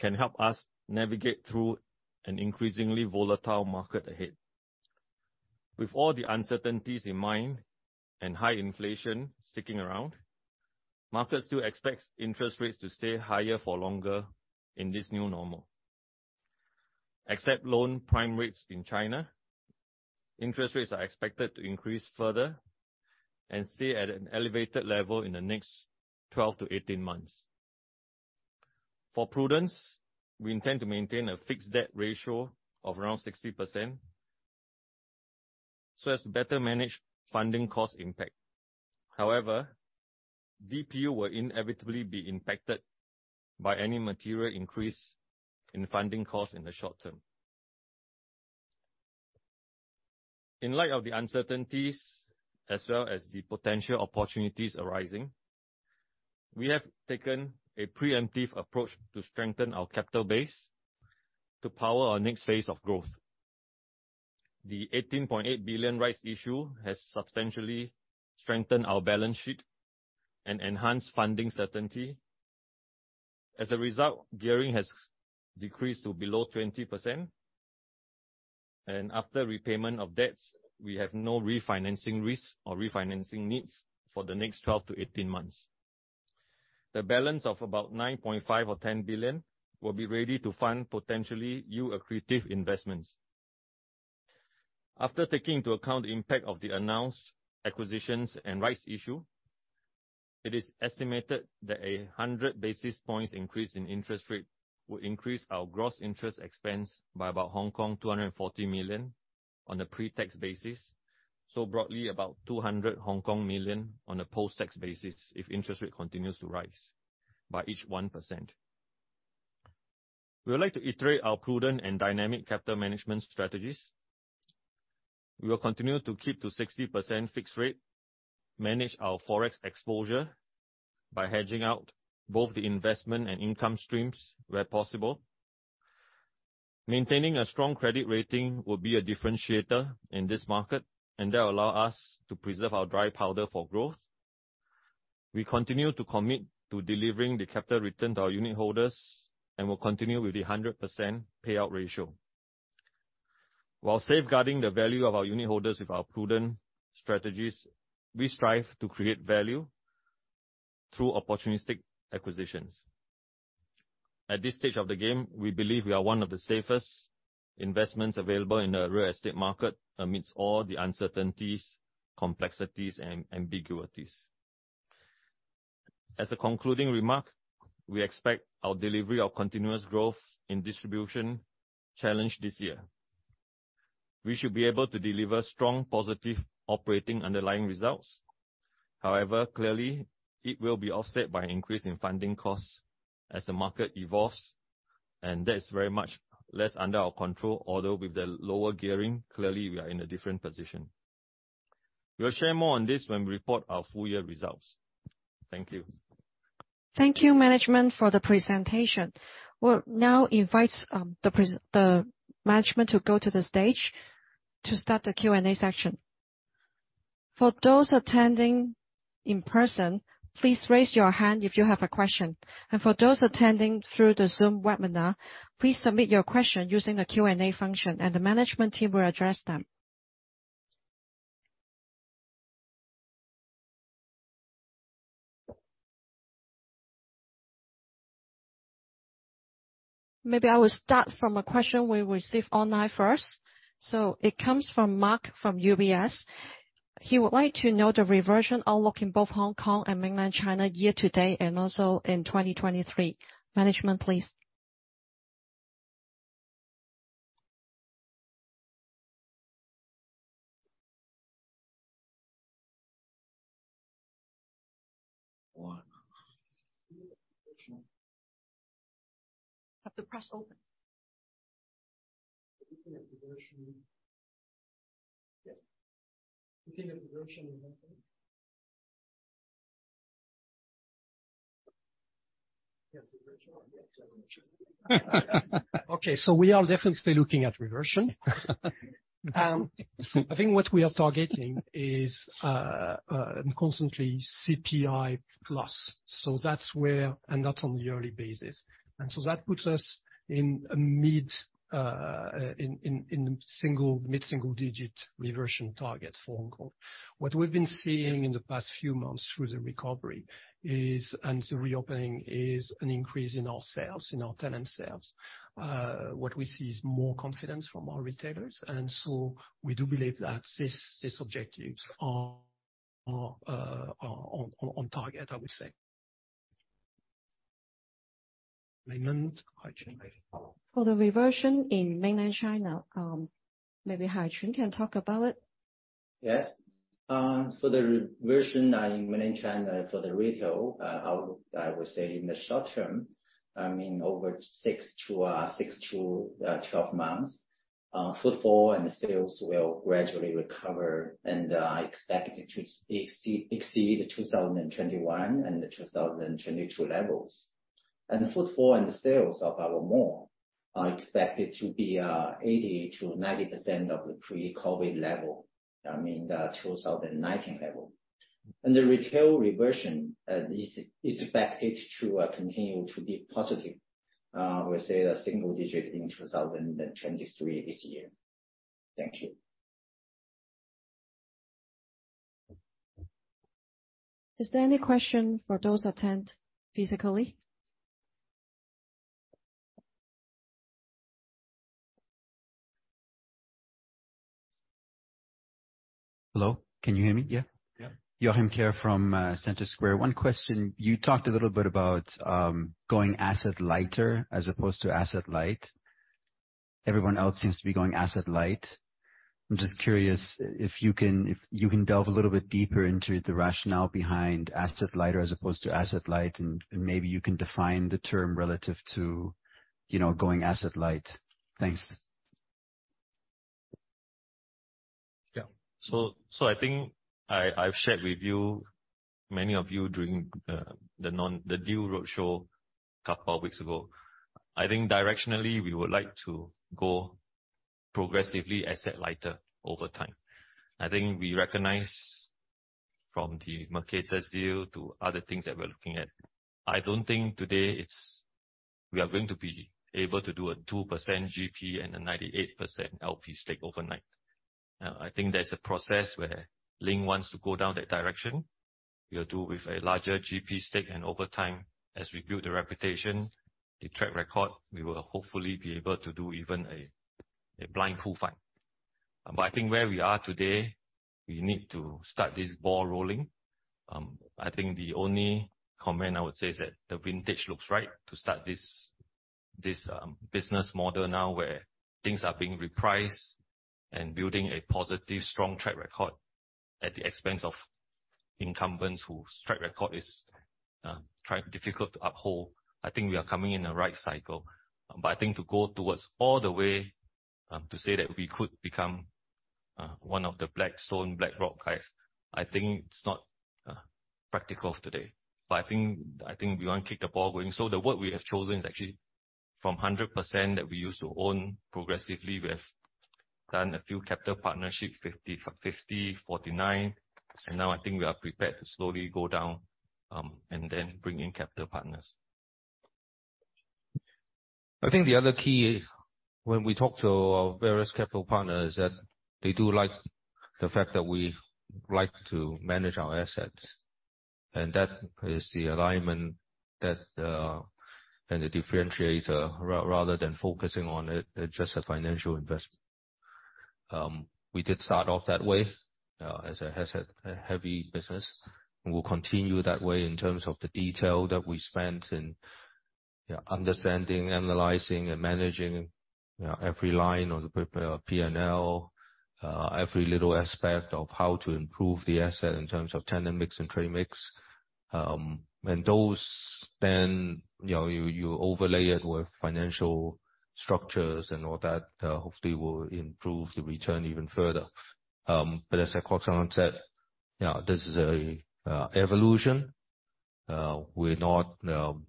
can help us navigate through an increasingly volatile market ahead. With all the uncertainties in mind and high inflation sticking around, markets still expects interest rates to stay higher for longer in this new normal. Except Loan Prime Rate in China, interest rates are expected to increase further and stay at an elevated level in the next 12-18 months. For prudence, we intend to maintain a fixed debt ratio of around 60% so as to better manage funding cost impact. However, DPU will inevitably be impacted by any material increase in funding costs in the short-term. In light of the uncertainties as well as the potential opportunities arising, we have taken a preemptive approach to strengthen our capital base to power our next phase of growth. The 18.8 billion rights issue has substantially strengthened our balance sheet and enhanced funding certainty. As a result, gearing has decreased to below 20%. After repayment of debts, we have no refinancing risks or refinancing needs for the next 12-18 months. The balance of about 9.5 billion or 10 billion will be ready to fund potentially new accretive investments. After taking into account the impact of the announced acquisitions and rights issue. It is estimated that a 100 basis points increase in interest rate will increase our gross interest expense by about 240 million on a pre-tax basis. Broadly about 200 million Hong Kong on a post-tax basis if interest rate continues to rise by each 1%. We would like to iterate our prudent and dynamic capital management strategies. We will continue to keep to 60% fixed rate, manage our forex exposure by hedging out both the investment and income streams where possible. Maintaining a strong credit rating will be a differentiator in this market, and that will allow us to preserve our dry powder for growth. We continue to commit to delivering the capital return to our unitholders and will continue with the 100% payout ratio. While safeguarding the value of our unitholders with our prudent strategies, we strive to create value through opportunistic acquisitions. At this stage of the game, we believe we are one of the safest investments available in the real estate market amidst all the uncertainties, complexities, and ambiguities. As a concluding remark, we expect our delivery of continuous growth in distribution challenged this year. We should be able to deliver strong positive operating underlying results. However, clearly, it will be offset by an increase in funding costs as the market evolves. That is very much less under our control. Although with the lower gearing, clearly, we are in a different position. We'll share more on this when we report our full-year results. Thank you. Thank you, management, for the presentation. We'll now invite, the management to go to the stage to start the Q&A section. For those attending in person, please raise your hand if you have a question. For those attending through the Zoom webinar, please submit your question using the Q&A function and the management team will address them. Maybe I will start from a question we received online first. It comes from Mark, from UBS. He would like to know the reversion outlook in both Hong Kong and Mainland China year-to-date, and also in 2023. Management, please. One. You have to press open. Looking at reversion. Yes. Looking at reversion in that sense. Yes, reversion. Yeah. Okay, we are definitely looking at reversion. I think what we are targeting is constantly CPI plus. That's where. That's on a yearly basis. That puts us in a mid-single-digit reversion target for Hong Kong. What we've been seeing in the past few months through the recovery is, the reopening is an increase in our sales, in our tenant sales. What we see is more confidence from our retailers, we do believe that this objectives are on target, I would say. Raymond? For the reversion in Mainland China, maybe Haiqun Zhu can talk about it. Yes. For the reversion in Mainland China, for the retail, I mean, over six to 12 months, footfall and sales will gradually recover. I expect it to exceed the 2021 and the 2022 levels. The footfall and the sales of our mall are expected to be 80%-90% of the pre-COVID level. I mean, the 2019 level. The retail reversion is expected to continue to be positive, we'll say a single digit in 2023 this year. Thank you. Is there any question for those attend physically? Hello? Can you hear me? Yeah? Yeah. Joachim Kehr from CenterSquare. One question. You talked a little bit about going asset lighter as opposed to asset light. Everyone else seems to be going asset-light. I'm just curious if you can delve a little bit deeper into the rationale behind asset lighter as opposed to asset light, and maybe you can define the term relative to, you know, going asset light. Thanks. Yeah. I think I've shared with you, many of you during the deal roadshow a couple of weeks ago. I think directionally we would like to go progressively asset-lighter over time. I think we recognize from the Mercatus deal to other things that we're looking at. I don't think today we are going to be able to do a 2% GP and a 98% LP stake overnight. I think there's a process where Link wants to go down that direction. We'll do with a larger GP stake, and over time, as we build the reputation, the track record, we will hopefully be able to do even a blind pool fund. I think where we are today, we need to start this ball rolling. I think the only comment I would say is that the vintage looks right to start this business model now where things are being repriced and building a positive strong track record at the expense of incumbents whose track record is difficult to uphold. I think we are coming in the right cycle. I think to go towards all the way to say that we could become one of the Blackstone, BlackRock guys, I think it's not practical today. I think we wanna kick the ball going. The work we have chosen is actually from 100% that we used to own progressively. We have done a few capital partnership, 50, 49, and now I think we are prepared to slowly go down and then bring in capital partners. I think the other key when we talk to our various capital partners, that they do like the fact that we like to manage our assets, and that is the alignment that and the differentiator, rather than focusing on it, just a financial investment. We did start off that way as a asset, a heavy business, and we'll continue that way in terms of the detail that we spent in, yeah, understanding, analyzing, and managing, yeah, every line on the P&L. Every little aspect of how to improve the asset in terms of tenant mix and trade mix. And those, then, you know, you overlay it with financial structures and all that, hopefully will improve the return even further. But as Kwok San said, yeah, this is a evolution. We're not,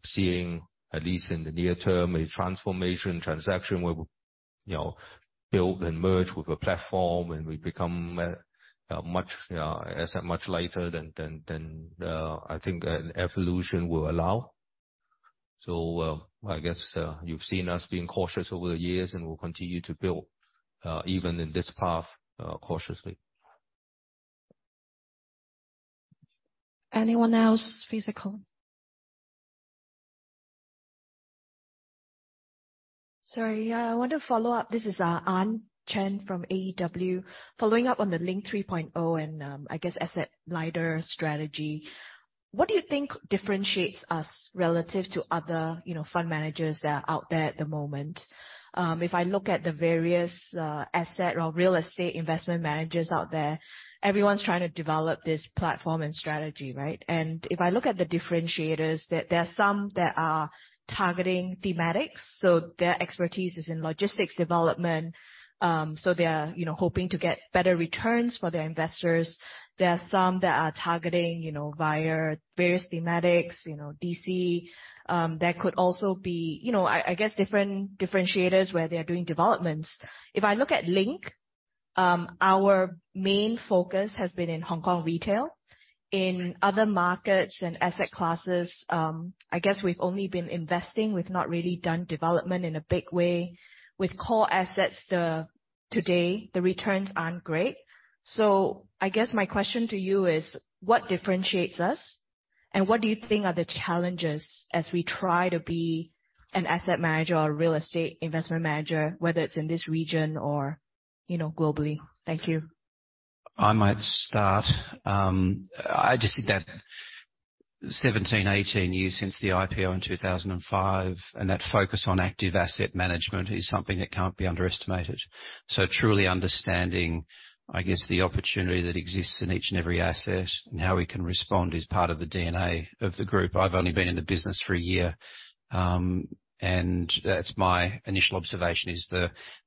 seeing, at least in the near term, a transformation transaction where we'll, you know, build and merge with a platform and we become a much, asset much lighter than, I think an evolution will allow. I guess, you've seen us being cautious over the years, and we'll continue to build, even in this path, cautiously. Anyone else physical? Sorry, I want to follow up. This is An Chen from AEW. Following up on the Link 3.0 and I guess asset lighter strategy. What do you think differentiates us relative to other, you know, fund managers that are out there at the moment? If I look at the various asset or real estate investment managers out there, everyone's trying to develop this platform and strategy, right? If I look at the differentiators, there are some that are targeting Thematics, so their expertise is in logistics development. So they are, you know, hoping to get better returns for their investors. There are some that are targeting, you know, via various Thematics, you know, DC. There could also be, you know, I guess different differentiators where they're doing developments. If I look at Link, our main focus has been in Hong Kong retail. In other markets and asset classes, I guess we've only been investing. We've not really done development in a big way. With core assets, today, the returns aren't great. I guess my question to you is, what differentiates us, and what do you think are the challenges as we try to be an asset manager or real estate investment manager, whether it's in this region or, you know, globally? Thank you. I might start. I just think that 17, 18 years since the IPO in 2005, and that focus on active asset management is something that can't be underestimated. Truly understanding, I guess, the opportunity that exists in each and every asset and how we can respond is part of the DNA of the group. I've only been in the business for a year, and that's my initial observation is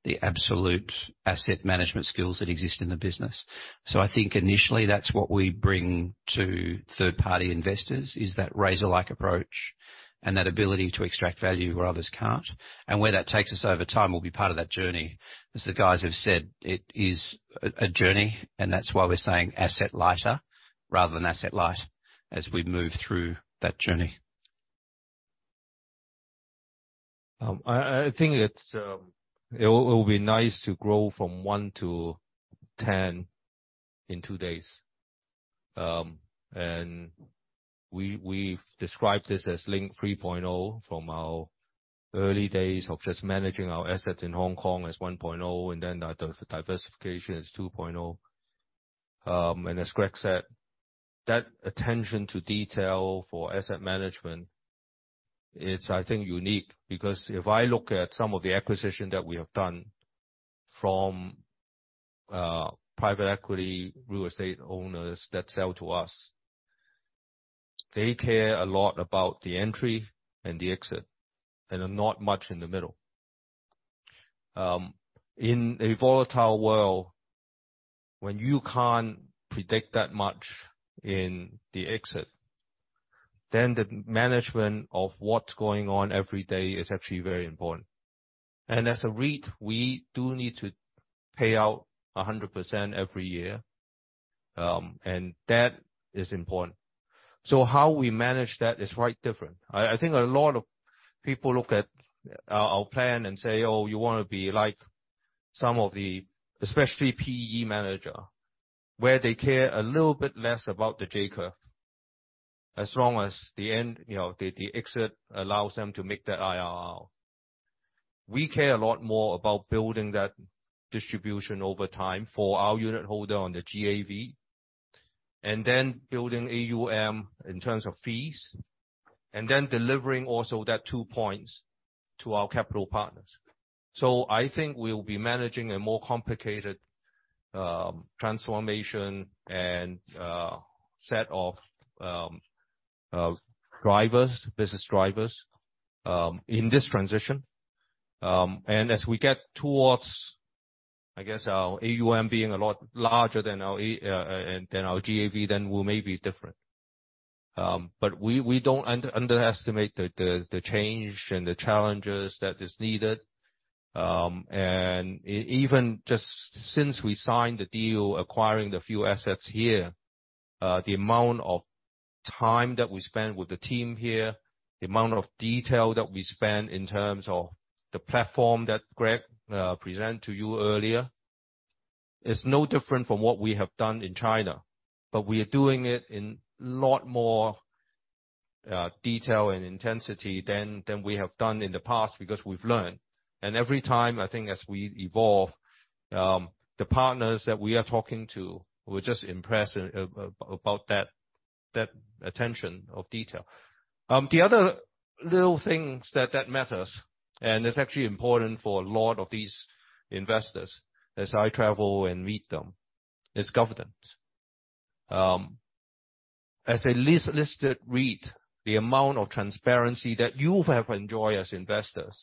the absolute asset management skills that exist in the business. I think initially that's what we bring to third-party investors, is that razor-like approach and that ability to extract value where others can't. Where that takes us over time will be part of that journey. As the guys have said, it is a journey, and that's why we're saying asset-lighter rather than asset-light as we move through that journey. I think it's. It'll be nice to grow from one to 10 in two days. We've described this as Link 3.0 from our early days of just managing our assets in Hong Kong as one point zero, and then the diversification as two point zero. As Greg said, that attention to detail for asset management, it's I think, unique. Because if I look at some of the acquisitions that we have done from private equity real estate owners that sell to us, they care a lot about the entry and the exit, and then not much in the middle. In a volatile world, when you can't predict that much in the exit, then the management of what's going on every day is actually very important. As a REIT, we do need to pay out 100% every year. That is important. How we manage that is quite different. I think a lot of people look at our plan and say, "Oh, you wanna be like some of the, especially PE manager, where they care a little bit less about the J curve. As long as the end, you know, the exit allows them to make that IRR. We care a lot more about building that distribution over time for our unit holder on the GAV, and then building AUM in terms of fees, and then delivering also that two points to our capital partners. I think we'll be managing a more complicated transformation and set of drivers, business drivers, in this transition. As we get towards, I guess, our AUM being a lot larger than our A, than our GAV, then we may be different. We, we don't underestimate the change and the challenges that is needed. Even just since we signed the deal acquiring the few assets here, the amount of time that we spend with the team here, the amount of detail that we spend in terms of the platform that Greg presented to you earlier, is no different from what we have done in China. We are doing it in a lot more detail and intensity than we have done in the past, because we've learned. Every time, I think as we evolve, the partners that we are talking to were just impressed about that attention of detail. The other little things that matters, and it's actually important for a lot of these investors as I travel and meet them, is governance. As a list-listed REIT, the amount of transparency that you have enjoyed as investors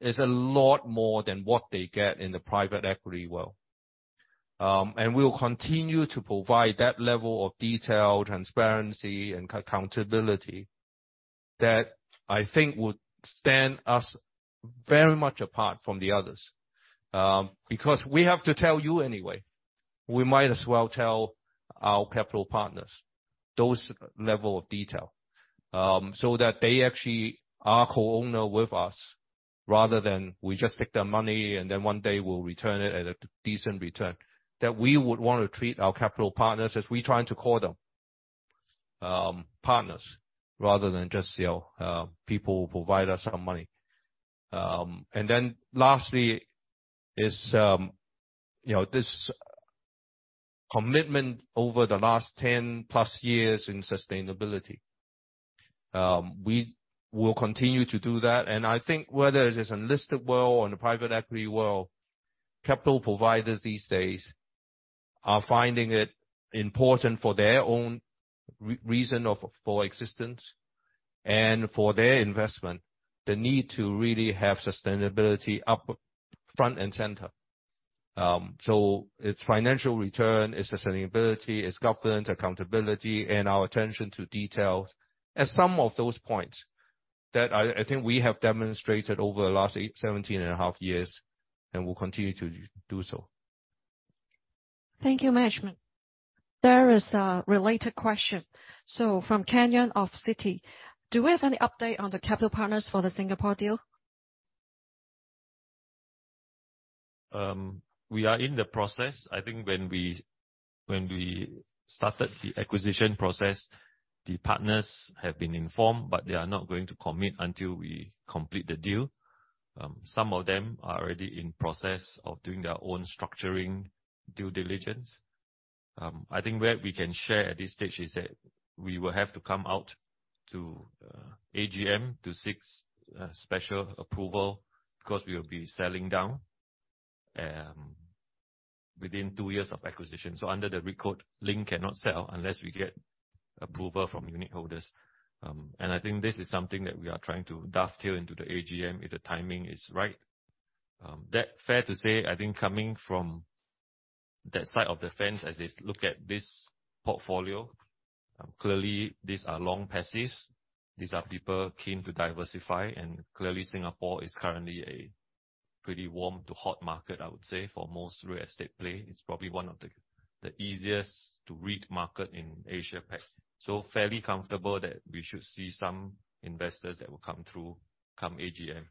is a lot more than what they get in the private equity world. We'll continue to provide that level of detail, transparency, and accountability that I think would stand us very much apart from the others. Because we have to tell you anyway, we might as well tell our capital partners those level of detail, so that they actually are co-owner with us, rather than we just take their money and then one day we'll return it at a decent return. That we would wanna treat our capital partners as we trying to call them, partners, rather than just, you know, people who provide us some money. Lastly is, you know, this commitment over the last 10+ years in sustainability. We will continue to do that. I think whether it is in listed world or in the private equity world, capital providers these days are finding it important for their own reason for existence and for their investment, the need to really have sustainability up front and center. It's financial return, it's sustainability, it's governance, accountability, and our attention to detail, and some of those points that I think we have demonstrated over the last 17 and a half years, and will continue to do so. Thank you, management. There is a related question. From Ken yon of Citi, "Do we have any update on the capital partners for the Singapore deal? We are in the process. I think when we, when we started the acquisition process, the partners have been informed, but they are not going to commit until we complete the deal. Some of them are already in process of doing their own structuring due diligence. I think where we can share at this stage is that we will have to come out to AGM to seek special approval, 'cause we'll be selling down within two years of acquisition. Under the record, Link cannot sell unless we get approval from unit holders. And I think this is something that we are trying to dovetail into the AGM if the timing is right. That fair to say, I think, coming from that side of the fence as they look at this portfolio, clearly these are long passes. These are people keen to diversify. Clearly, Singapore is currently a pretty warm to hot market, I would say, for most real estate play. It's probably one of the easiest to read market in APAC. Fairly comfortable that we should see some investors that will come through come AGM.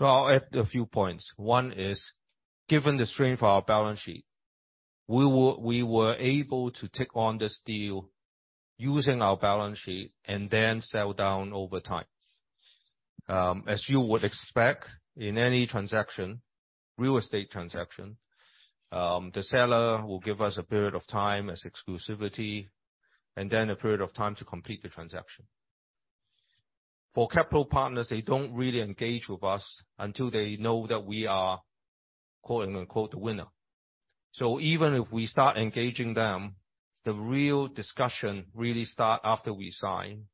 I'll add a few points. One is, given the strength of our balance sheet, we were able to take on this deal using our balance sheet and then sell down over time. As you would expect in any transaction, real estate transaction, the seller will give us a period of time as exclusivity and then a period of time to complete the transaction. For capital partners, they don't really engage with us until they know that we are "the winner." Even if we start engaging them, the real discussion really start after we sign,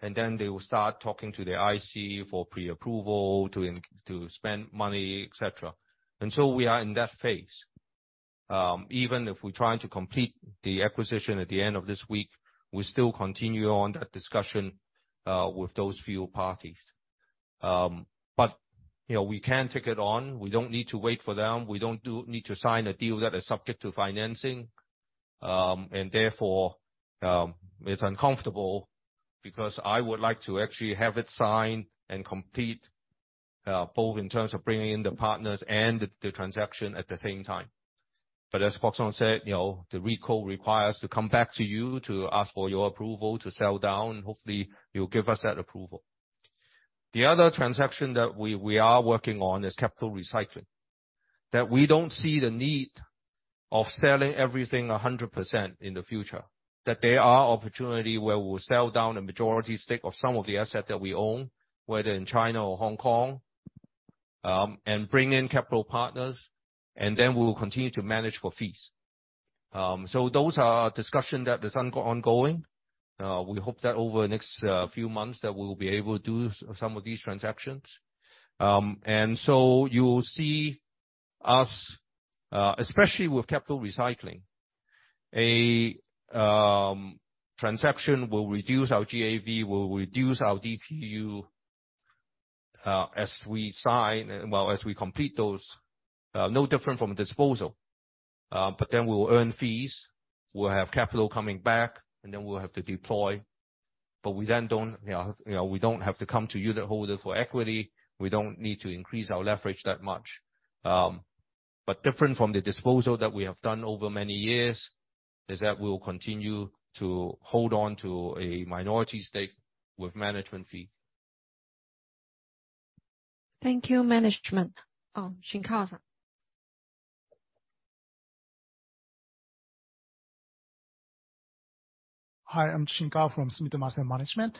and then they will start talking to their IC for pre-approval to spend money, et cetera. We are in that phase. Even if we're trying to complete the acquisition at the end of this week, we still continue on that discussion with those few parties. You know, we can take it on. We don't need to wait for them. We don't need to sign a deal that is subject to financing. It's uncomfortable because I would like to actually have it signed and complete both in terms of bringing in the partners and the transaction at the same time. As Fok-shing said, you know, the recall requires to come back to you to ask for your approval to sell down. Hopefully, you'll give us that approval. The other transaction that we are working on is capital recycling. That we don't see the need of selling everything 100% in the future, that there are opportunity where we'll sell down a majority stake of some of the assets that we own, whether in China or Hong Kong, and bring in capital partners. We will continue to manage for fees. Those are discussions that is ongoing. We hope that over the next few months that we will be able to do some of these transactions. You'll see us, especially with capital recycling, a transaction will reduce our GAV, will reduce our DPU, as we complete those. No different from disposal. We'll earn fees, we'll have capital coming back, we'll have to deploy. We then don't, you know, we don't have to come to unitholder for equity. We don't need to increase our leverage that much. Different from the disposal that we have done over many years, is that we'll continue to hold on to a minority stake with management fee. Thank you, management. Oh, Shigemitsu. Hi, I'm Shigemitsu from Sumitomo Mitsui Trust Asset Management.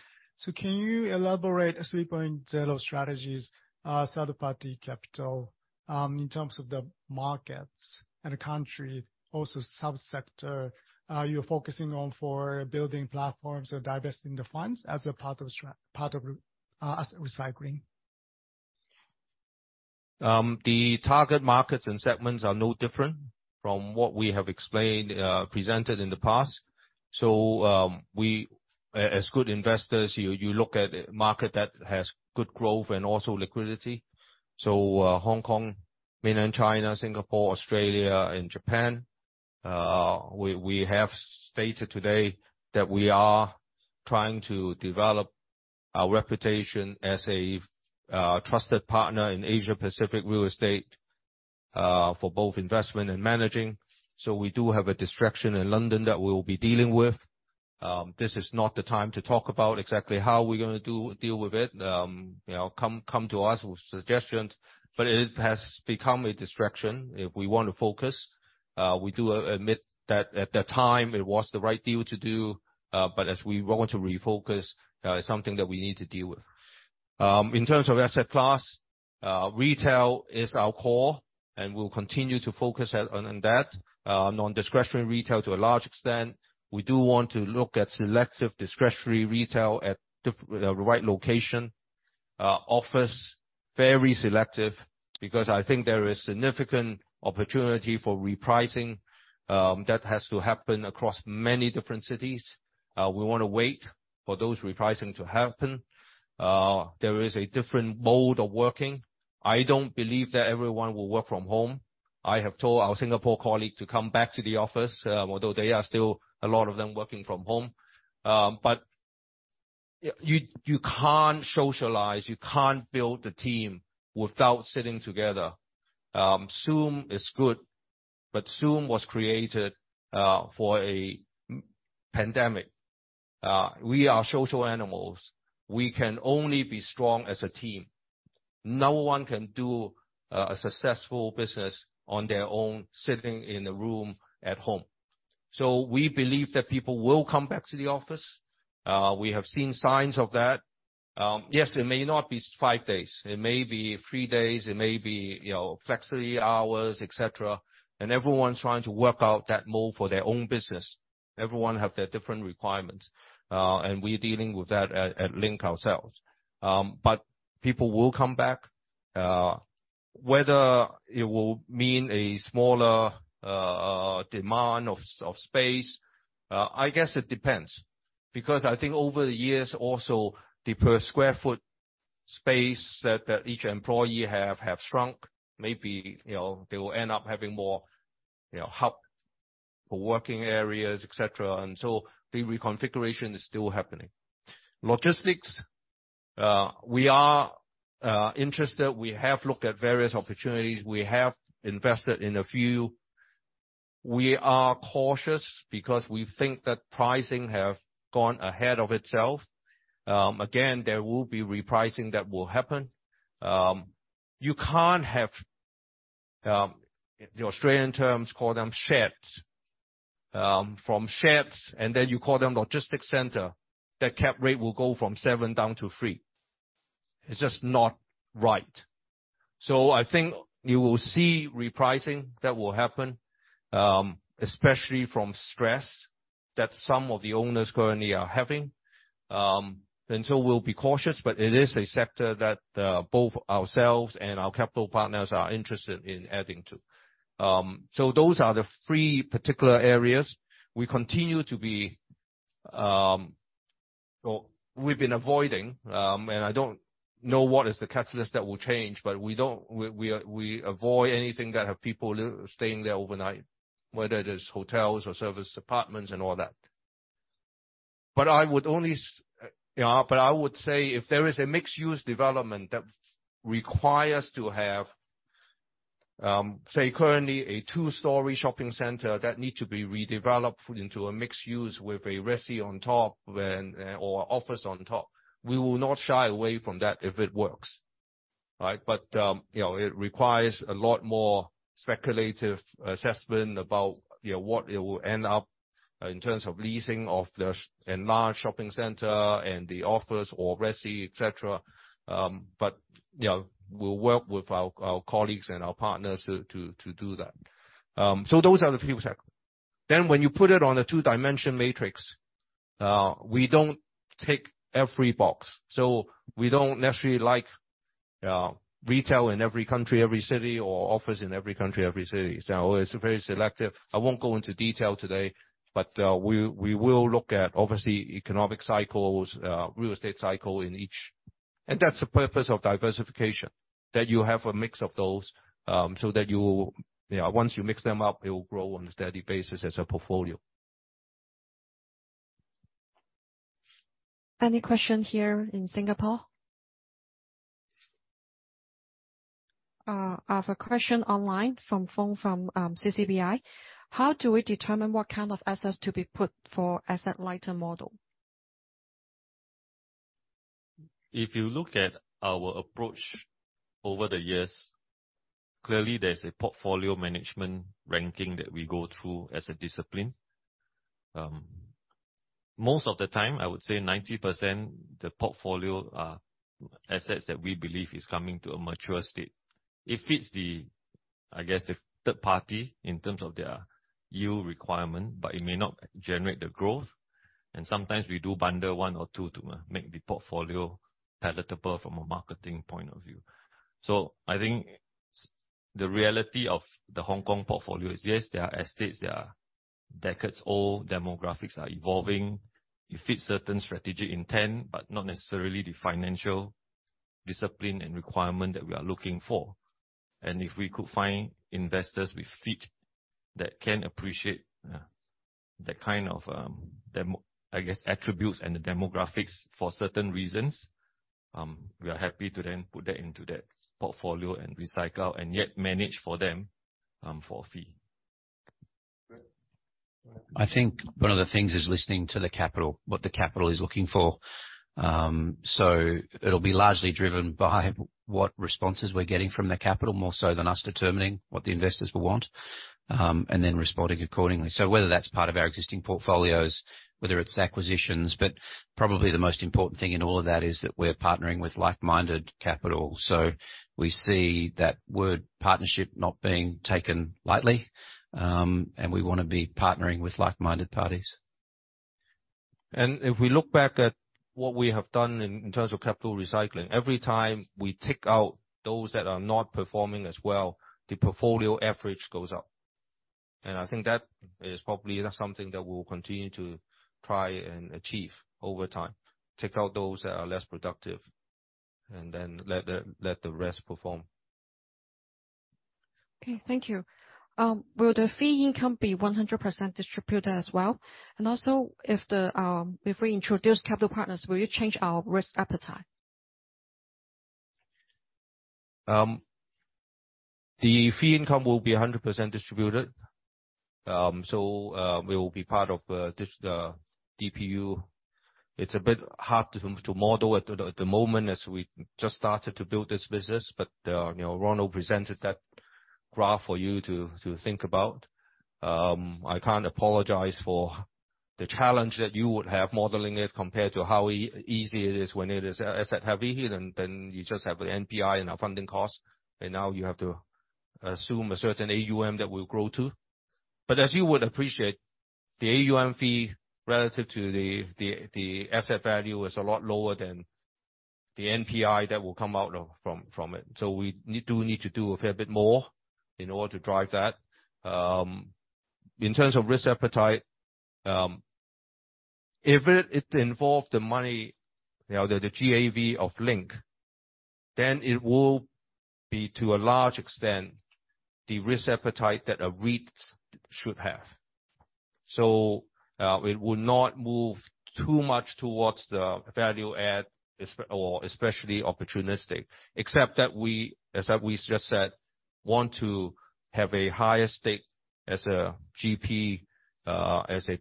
Can you elaborate 3.0 strategies, third-party capital, in terms of the markets and the country, also sub-sector, you're focusing on for building platforms or divesting the funds as a part of asset recycling? The target markets and segments are no different from what we have explained, presented in the past. As good investors, you look at a market that has good growth and also liquidity. Hong Kong, Mainland China, Singapore, Australia, and Japan. We have stated today that we are trying to develop our reputation as a trusted partner in Asia-Pacific Real Estate for both investment and managing. We do have a distraction in London that we'll be dealing with. This is not the time to talk about exactly how we're gonna deal with it. You know, come to us with suggestions. It has become a distraction. If we want to focus, we do admit that at that time, it was the right deal to do. As we want to refocus, it's something that we need to deal with. In terms of asset class, retail is our core, and we'll continue to focus on that. Non-discretionary retail to a large extent. We do want to look at selective discretionary retail at the right location. Office, very selective, because I think there is significant opportunity for repricing that has to happen across many different cities. We wanna wait for those repricing to happen. There is a different mode of working. I don't believe that everyone will work from home. I have told our Singapore colleague to come back to the office, although there are still a lot of them working from home. But you can't socialize, you can't build the team without sitting together. Zoom is good, but Zoom was created for a pandemic. We are social animals. We can only be strong as a team. No one can do a successful business on their own, sitting in a room at home. We believe that people will come back to the office. We have seen signs of that. Yes, it may not be five days. It may be three days, it may be, you know, flexibly hours, et cetera. Everyone's trying to work out that mode for their own business. Everyone have their different requirements. We're dealing with that at Link ourselves. But people will come back. Whether it will mean a smaller demand of space, I guess it depends. I think over the years also, the per square foot space that each employee have shrunk. Maybe, you know, they will end up having more, you know, hub for working areas, et cetera. The reconfiguration is still happening. Logistics, we are interested. We have looked at various opportunities. We have invested in a few. We are cautious because we think that pricing have gone ahead of itself. Again, there will be repricing that will happen. You can't have the Australian terms call them sheds. From sheds, and then you call them logistics center, the cap rate will go from seven down to three. It's just not right. I think you will see repricing that will happen, especially from stress that some of the owners currently are having. We'll be cautious, but it is a sector that both ourselves and our capital partners are interested in adding to. Those are the three particular areas. We continue to be. Well, we've been avoiding, and I don't know what is the catalyst that will change, but we don't. We avoid anything that have people staying there overnight, whether it is hotels or service departments and all that. I would only. Yeah. I would say if there is a mixed-use development that requires to have, say currently a two-story shopping center that need to be redeveloped into a mixed-use with a resi on top when or office on top, we will not shy away from that if it works, right? You know, it requires a lot more speculative assessment about, you know, what it will end up in terms of leasing of the enlarged shopping center and the office or resi, et cetera. You know, we'll work with our colleagues and our partners to do that. Those are the few sectors. When you put it on a two-dimension matrix, we don't tick every box. We don't necessarily like retail in every country, every city or office in every country, every city. It's very selective. I won't go into detail today, but we will look at obviously economic cycles, real estate cycle in each. That's the purpose of diversification, that you have a mix of those, so that you know, once you mix them up, it will grow on a steady basis as a portfolio. Any question here in Singapore? I have a question online from phone from CCB. How do we determine what kind of assets to be put for asset-lighter model? If you look at our approach over the years, clearly there's a portfolio management ranking that we go through as a discipline. most of the time, I would say 90% the portfolio assets that we believe is coming to a mature state. It fits the, I guess, the third party in terms of their yield requirement, but it may not generate the growth. sometimes we do bundle one or two to make the portfolio palatable from a marketing point of view. I think the reality of the Hong Kong portfolio is, yes, there are estates that are decades old, demographics are evolving. You fit certain strategic intent, but not necessarily the financial discipline and requirement that we are looking for. If we could find investors we fit, that can appreciate, that kind of, I guess, attributes and the demographics for certain reasons, we are happy to then put that into that portfolio and recycle and yet manage for them, for a fee. I think one of the things is listening to the capital, what the capital is looking for. It'll be largely driven by what responses we're getting from the capital, more so than us determining what the investors will want, and then responding accordingly. Whether that's part of our existing portfolios, whether it's acquisitions. Probably the most important thing in all of that is that we're partnering with like-minded capital. We see that word partnership not being taken lightly. We wanna be partnering with like-minded parties. If we look back at what we have done in terms of capital recycling, every time we tick out those that are not performing as well, the portfolio average goes up. I think that is probably something that we'll continue to try and achieve over time. Tick out those that are less productive, and then let the rest perform. Okay. Thank you. Will the fee income be 100% distributed as well? Also, if we introduce capital partners, will you change our risk appetite? The fee income will be 100% distributed. We will be part of this, the DPU. It's a bit hard to model at the moment as we just started to build this business. You know, Ronald presented that graph for you to think about. I can't apologize for the challenge that you would have modeling it compared to how easy it is when it is asset heavy, and then you just have the NPI and our funding costs. Now you have to assume a certain AUM that we'll grow to. As you would appreciate, the AUM fee relative to the asset value is a lot lower than the NPI that will come from it. We need to do a fair bit more in order to drive that. In terms of risk appetite, if it involve the money, you know, the GAV of Link, then it will be to a large extent the risk appetite that a REIT should have. It would not move too much towards the value add especially opportunistic, except that we, as we just said, want to have a higher stake as a GP, as a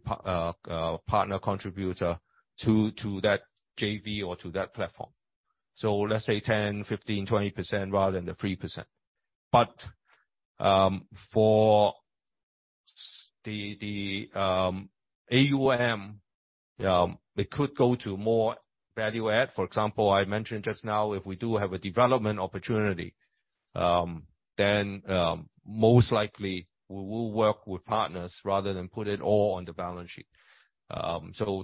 partner contributor to that JV or to that platform. Let's say 10%, 15%, 20% rather than the 3%. For AUM, it could go to more value-add. For example, I mentioned just now, if we do have a development opportunity, then most likely we will work with partners rather than put it all on the balance sheet.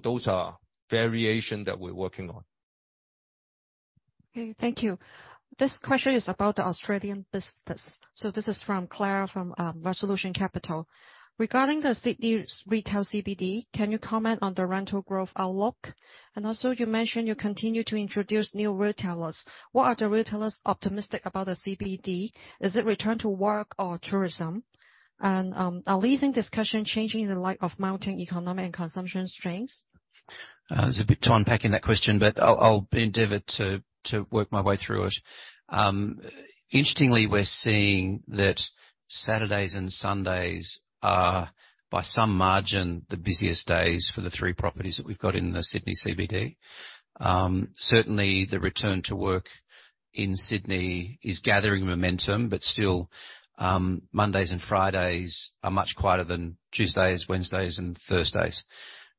Those are variation that we're working on. Okay. Thank you. This question is about the Australian business. This is from Clara, from Resolution Capital. Regarding the Sydney retail CBD, can you comment on the rental growth outlook? Also you mentioned you continue to introduce new retailers. What are the retailers optimistic about the CBD? Is it return to work or tourism? Are leasing discussion changing in the light of mounting economic and consumption strengths? It's a bit time packing that question, but I'll endeavor to work my way through it. Interestingly, we're seeing that Saturdays and Sundays are, by some margin, the busiest days for the three properties that we've got in the Sydney CBD. Certainly the return to work in Sydney is gathering momentum, but still, Mondays and Fridays are much quieter than Tuesdays, Wednesdays and Thursdays.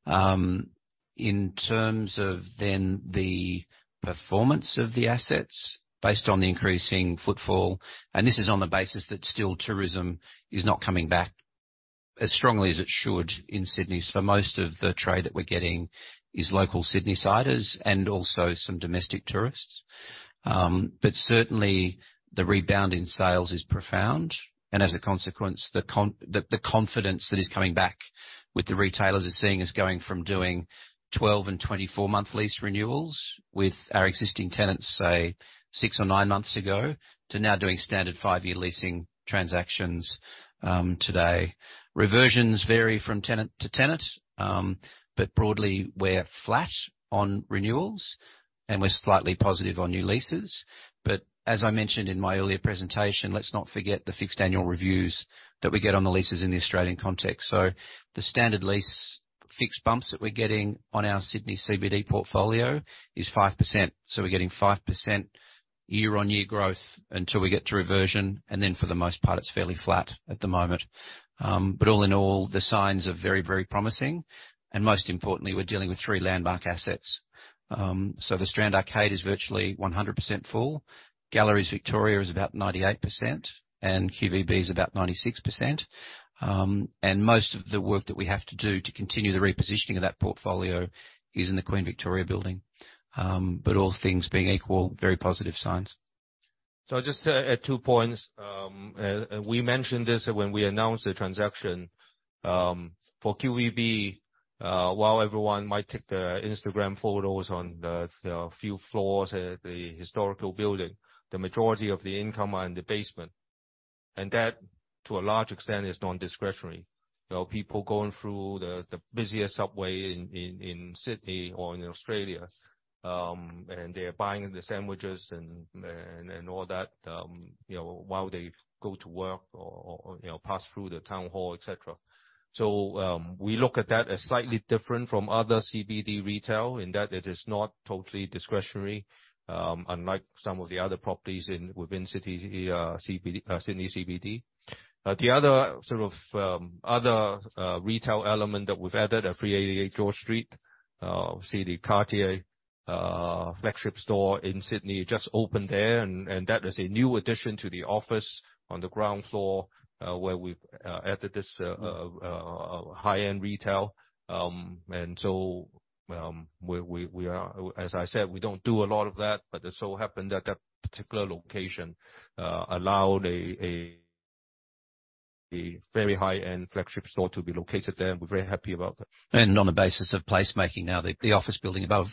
In terms of then the performance of the assets based on the increasing footfall, and this is on the basis that still tourism is not coming back as strongly as it should in Sydney. Most of the trade that we're getting is local Sydney-siders and also some domestic tourists. Certainly the rebound in sales is profound and as a consequence, the confidence that is coming back with the retailers is seeing us going from doing 12 and 24 month lease renewals with our existing tenants, say six or nine months ago, to now doing standard five-year leasing transactions, today. Reversions vary from tenant to tenant, but broadly we're flat on renewals and we're slightly positive on new leases. As I mentioned in my earlier presentation, let's not forget the fixed annual reviews that we get on the leases in the Australian context. The standard lease fixed bumps that we're getting on our Sydney CBD portfolio is 5%. We're getting 5% year-on-year growth until we get to reversion, and then for the most part, it's fairly flat at the moment. All in all, the signs are very, very promising. Most importantly, we're dealing with three landmark assets. The Strand Arcade is virtually 100% full. Galleries Victoria is about 98%, and QVB is about 96%. Most of the work that we have to do to continue the repositioning of that portfolio is in the Queen Victoria Building. All things being equal, very positive signs. I'll just add two points. We mentioned this when we announced the transaction for QVB, while everyone might take the Instagram photos on the few floors at the historical building, the majority of the income are in the basement, and that, to a large extent, is non-discretionary. There are people going through the busiest subway in Sydney or in Australia, and they're buying the sandwiches and all that, you know, while they go to work or, you know, pass through the town hall, et cetera. We look at that as slightly different from other CBD retail in that it is not totally discretionary, unlike some of the other properties within city, CBD, Sydney CBD. retail element that we've added at 388 George Street, see the Cartier flagship store in Sydney just opened there, and that is a new addition to the office on the ground floor, where we've added this high-end retail. So we are. As I said, we don't do a lot of that, but it so happened that that particular location allowed a very high-end flagship store to be located there. We're very happy about that On the basis of placemaking now, the office building above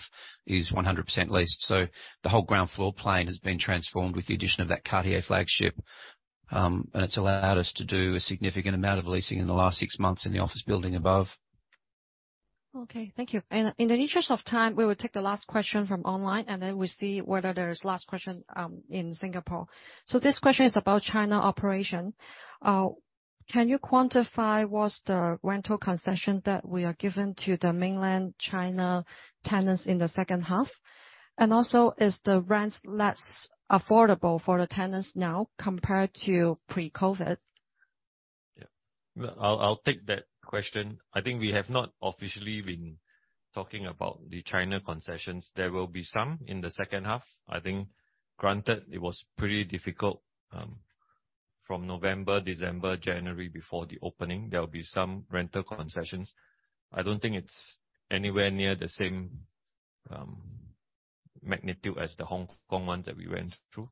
is 100% leased. The whole ground floor plane has been transformed with the addition of that Cartier flagship. It's allowed us to do a significant amount of leasing in the last six months in the office building above. Okay. Thank you. In the interest of time, we will take the last question from online, then we see whether there is last question in Singapore. This question is about China operation. Can you quantify what's the rental concession that were given to the Mainland China tenants in the second half? Is the rent less affordable for the tenants now compared to pre-COVID? Yeah. Well, I'll take that question. I think we have not officially been talking about the China concessions. There will be some in the second half. I think granted it was pretty difficult from November, December, January before the opening. There will be some rental concessions. I don't think it's anywhere near the same magnitude as the Hong Kong ones that we went through.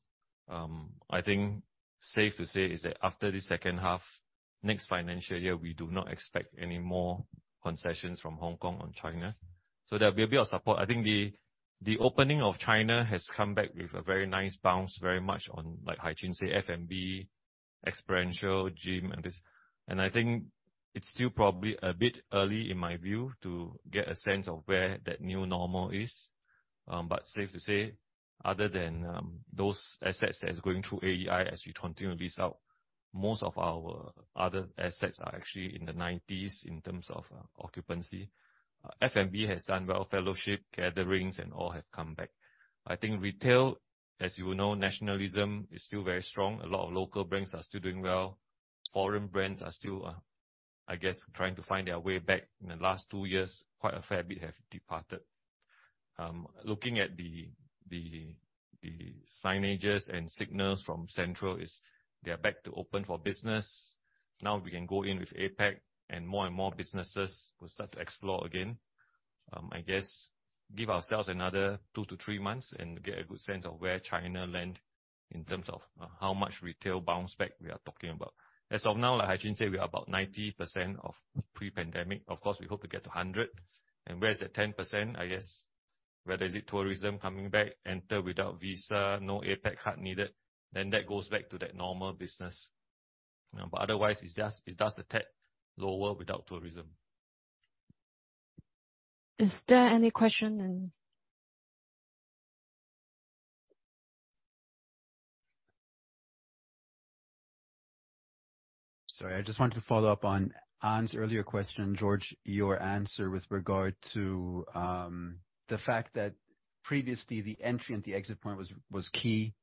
I think safe to say is that after this second half, next financial year, we do not expect any more concessions from Hong Kong on China. There'll be a bit of support. I think the opening of China has come back with a very nice bounce, very much on like Haiqun Zhu say, F&B, experiential, gym and this. I think it's still probably a bit early in my view to get a sense of where that new normal is. Safe to say, other than those assets that is going through AEI as we continue to lease out, most of our other assets are actually in the 90s in terms of occupancy. F&B has done well, fellowship, gatherings, and all have come back. I think retail, as you will know, nationalism is still very strong. A lot of local brands are still doing well. Foreign brands are still, I guess trying to find their way back. In the last two years, quite a fair bit have departed. Looking at the signages and signals from Central is they are back to open for business. Now we can go in with APAC, and more and more businesses will start to explore again. I guess give ourselves another two to three-months and get a good sense of where China in terms of how much retail bounce back we are talking about. As of now, like Haiqun Zhu say, we are about 90% of pre-pandemic. Of course, we hope to get to 100. Where is that 10%, I guess, whether is it tourism coming back, enter without visa, no APAC card needed, then that goes back to that normal business. Otherwise, it does a tad lower without tourism. Is there any question then? Sorry, I just wanted to follow up on Ann's earlier question, George, your answer with regard to the fact that previously, the entry and the exit point was key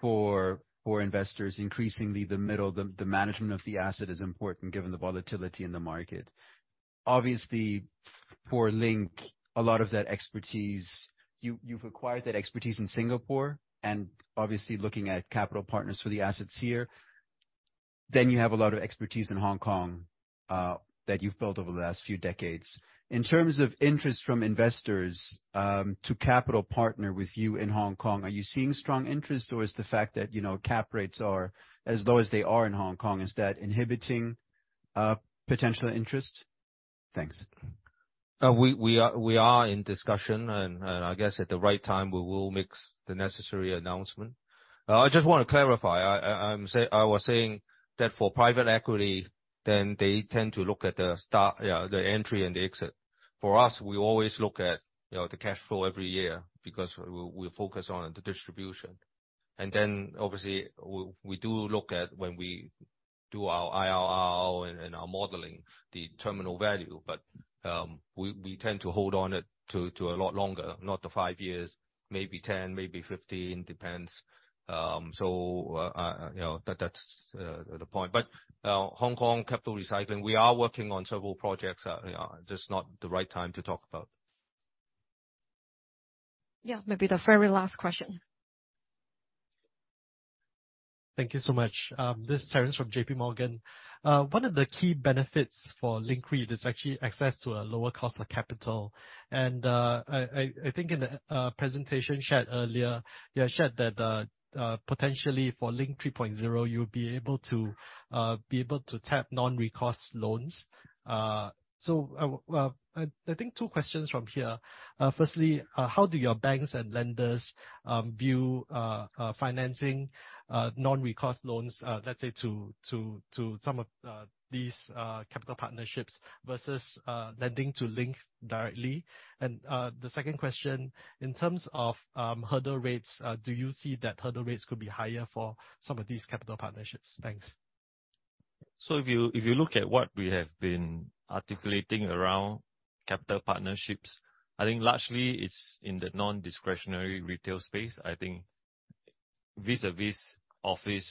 for investors. Increasingly, the middle, the management of the asset is important given the volatility in the market. Obviously, for Link, a lot of that expertise, you've acquired that expertise in Singapore, and obviously, looking at capital partners for the assets here. You have a lot of expertise in Hong Kong that you've built over the last few decades. In terms of interest from investors to capital partner with you in Hong Kong, are you seeing strong interest or is the fact that, you know, cap rates are as low as they are in Hong Kong, is that inhibiting potential interest? Thanks. We are in discussion and I guess at the right time, we will make the necessary announcement. I just wanna clarify. I was saying that for private equity, then they tend to look at the start, yeah, the entry and the exit. For us, we always look at, you know, the cash flow every year because we focus on the distribution. Obviously, we do look at when we do our IRR and our modeling the terminal value. We tend to hold on it to a lot longer, not to five years, maybe 10, maybe 15. Depends. You know, that's the point. Hong Kong capital recycling, we are working on several projects. Yeah, just not the right time to talk about. Yeah. Maybe the very last question. Thank you so much. This is Terence from JPMorgan. One of the key benefits for Link REIT is actually access to a lower cost of capital. I think in the presentation shared earlier, you had shared that potentially for Link 3.0, you'll be able to tap non-recourse loans. Well, I think two questions from here. Firstly, how do your banks and lenders view financing non-recourse loans, let's say to some of these capital partnerships versus lending to Link directly? The second question, in terms of hurdle rates, do you see that hurdle rates could be higher for some of these capital partnerships? Thanks. If you look at what we have been articulating around capital partnerships, I think largely it's in the non-discretionary retail space. I think vis-a-vis office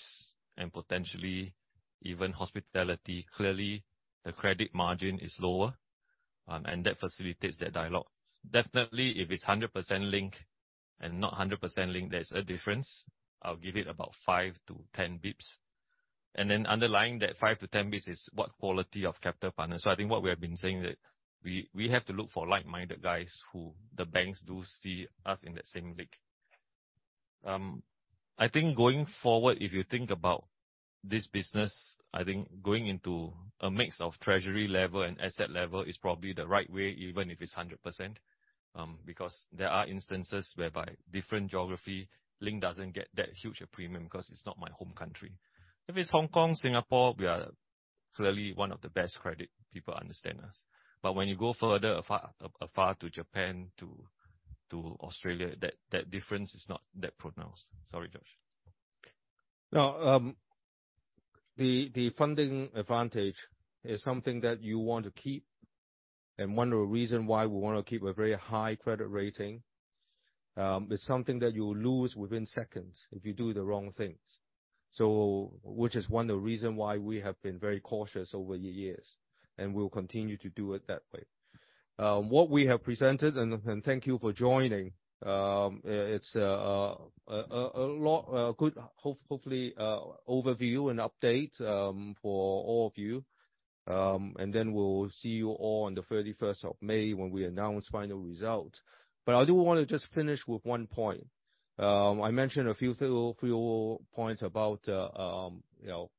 and potentially even hospitality. Clearly, the credit margin is lower, and that facilitates that dialogue. Definitely, if it's 100% Link and not 100% Link, there's a difference. I'll give it about 5 basis points-10 basis points. Underlying that 5 basis points-10 basis points is what quality of capital partners. I think what we have been saying that we have to look for like-minded guys who the banks do see us in that same league. I think going forward, if you think about this business, I think going into a mix of treasury level and asset level is probably the right way, even if it's 100%. Because there are instances whereby different geography, Link doesn't get that huge a premium 'cause it's not my home country. If it's Hong Kong, Singapore, we are clearly one of the best credit. People understand us. When you go further afar to Japan, to Australia, that difference is not that pronounced. Sorry, George. No. The funding advantage is something that you wanna keep, and one of the reason why we wanna keep a very high credit rating, is something that you'll lose within seconds if you do the wrong things. Which is one of the reason why we have been very cautious over the years, and we'll continue to do it that way. What we have presented, and thank you for joining, it's a lot, a good hope, hopefully, overview and update for all of you. We'll see you all on the 31st of May when we announce final results. I do wanna just finish with one point. I mentioned a few little points about, you know,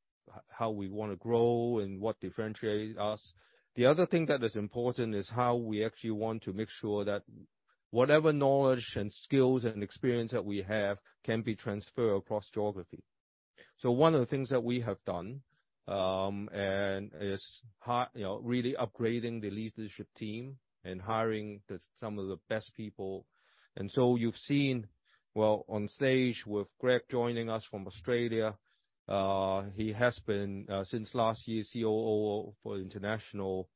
how we wanna grow and what differentiates us. The other thing that is important is how we actually want to make sure that whatever knowledge and skills and experience that we have can be transferred across geography. One of the things that we have done, you know, really upgrading the leadership team and hiring the, some of the best people. You've seen, well, on stage with Greg joining us from Australia, he has been since last year, COO for international.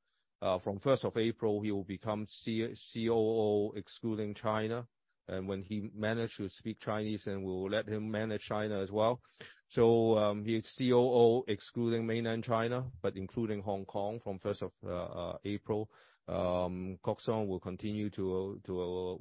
From first of April, he will become COO excluding China. When he manage to speak Chinese, then we will let him manage China as well. He's COO excluding mainland China, but including Hong Kong from first of April. Kok Sang will continue to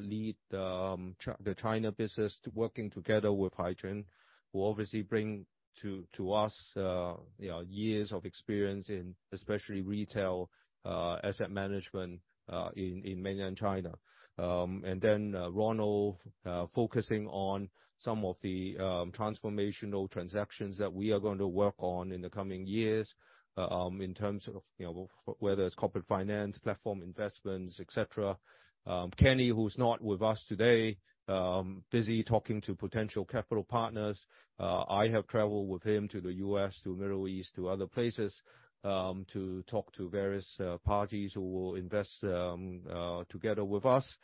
lead the China business, working together with Haiqun Zhu, who obviously bring to us, you know, years of experience in especially retail asset management in Mainland China. Ronald focusing on some of the transformational transactions that we are going to work on in the coming years, in terms of, you know, whether it's corporate finance, platform investments, et cetera. Kenny, who's not with us today, busy talking to potential capital partners. I have traveled with him to the U.S., to Middle East, to other places, to talk to various parties who will invest together with us.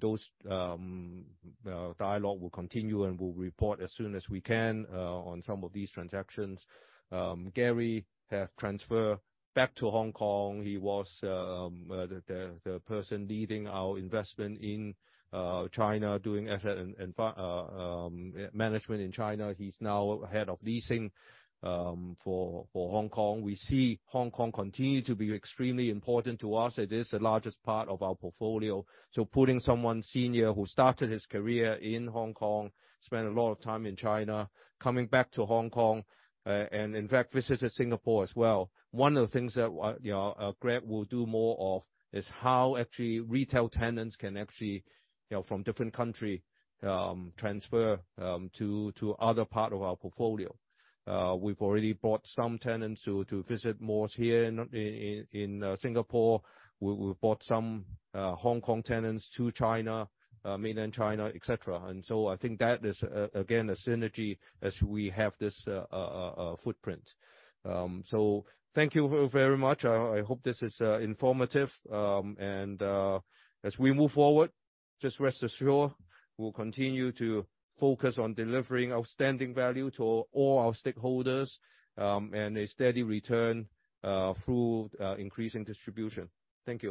Those dialogue will continue and we'll report as soon as we can on some of these transactions. Gary have transferred back to Hong Kong. He was the person leading our investment in China, doing asset and management in China. He's now head of leasing for Hong Kong. We see Hong Kong continue to be extremely important to us. It is the largest part of our portfolio. Putting someone senior who started his career in Hong Kong, spent a lot of time in China, coming back to Hong Kong, and in fact visited Singapore as well. One of the things that, you know, Greg will do more of is how actually retail tenants can actually, you know, from different country transfer to other part of our portfolio. We've already brought some tenants to visit malls here in Singapore. We've brought some Hong Kong tenants to China, mainland China, et cetera. I think that is again a synergy as we have this footprint. Thank you all very much. I hope this is informative. As we move forward, just rest assured we'll continue to focus on delivering outstanding value to all our stakeholders, and a steady return through increasing distribution. Thank you.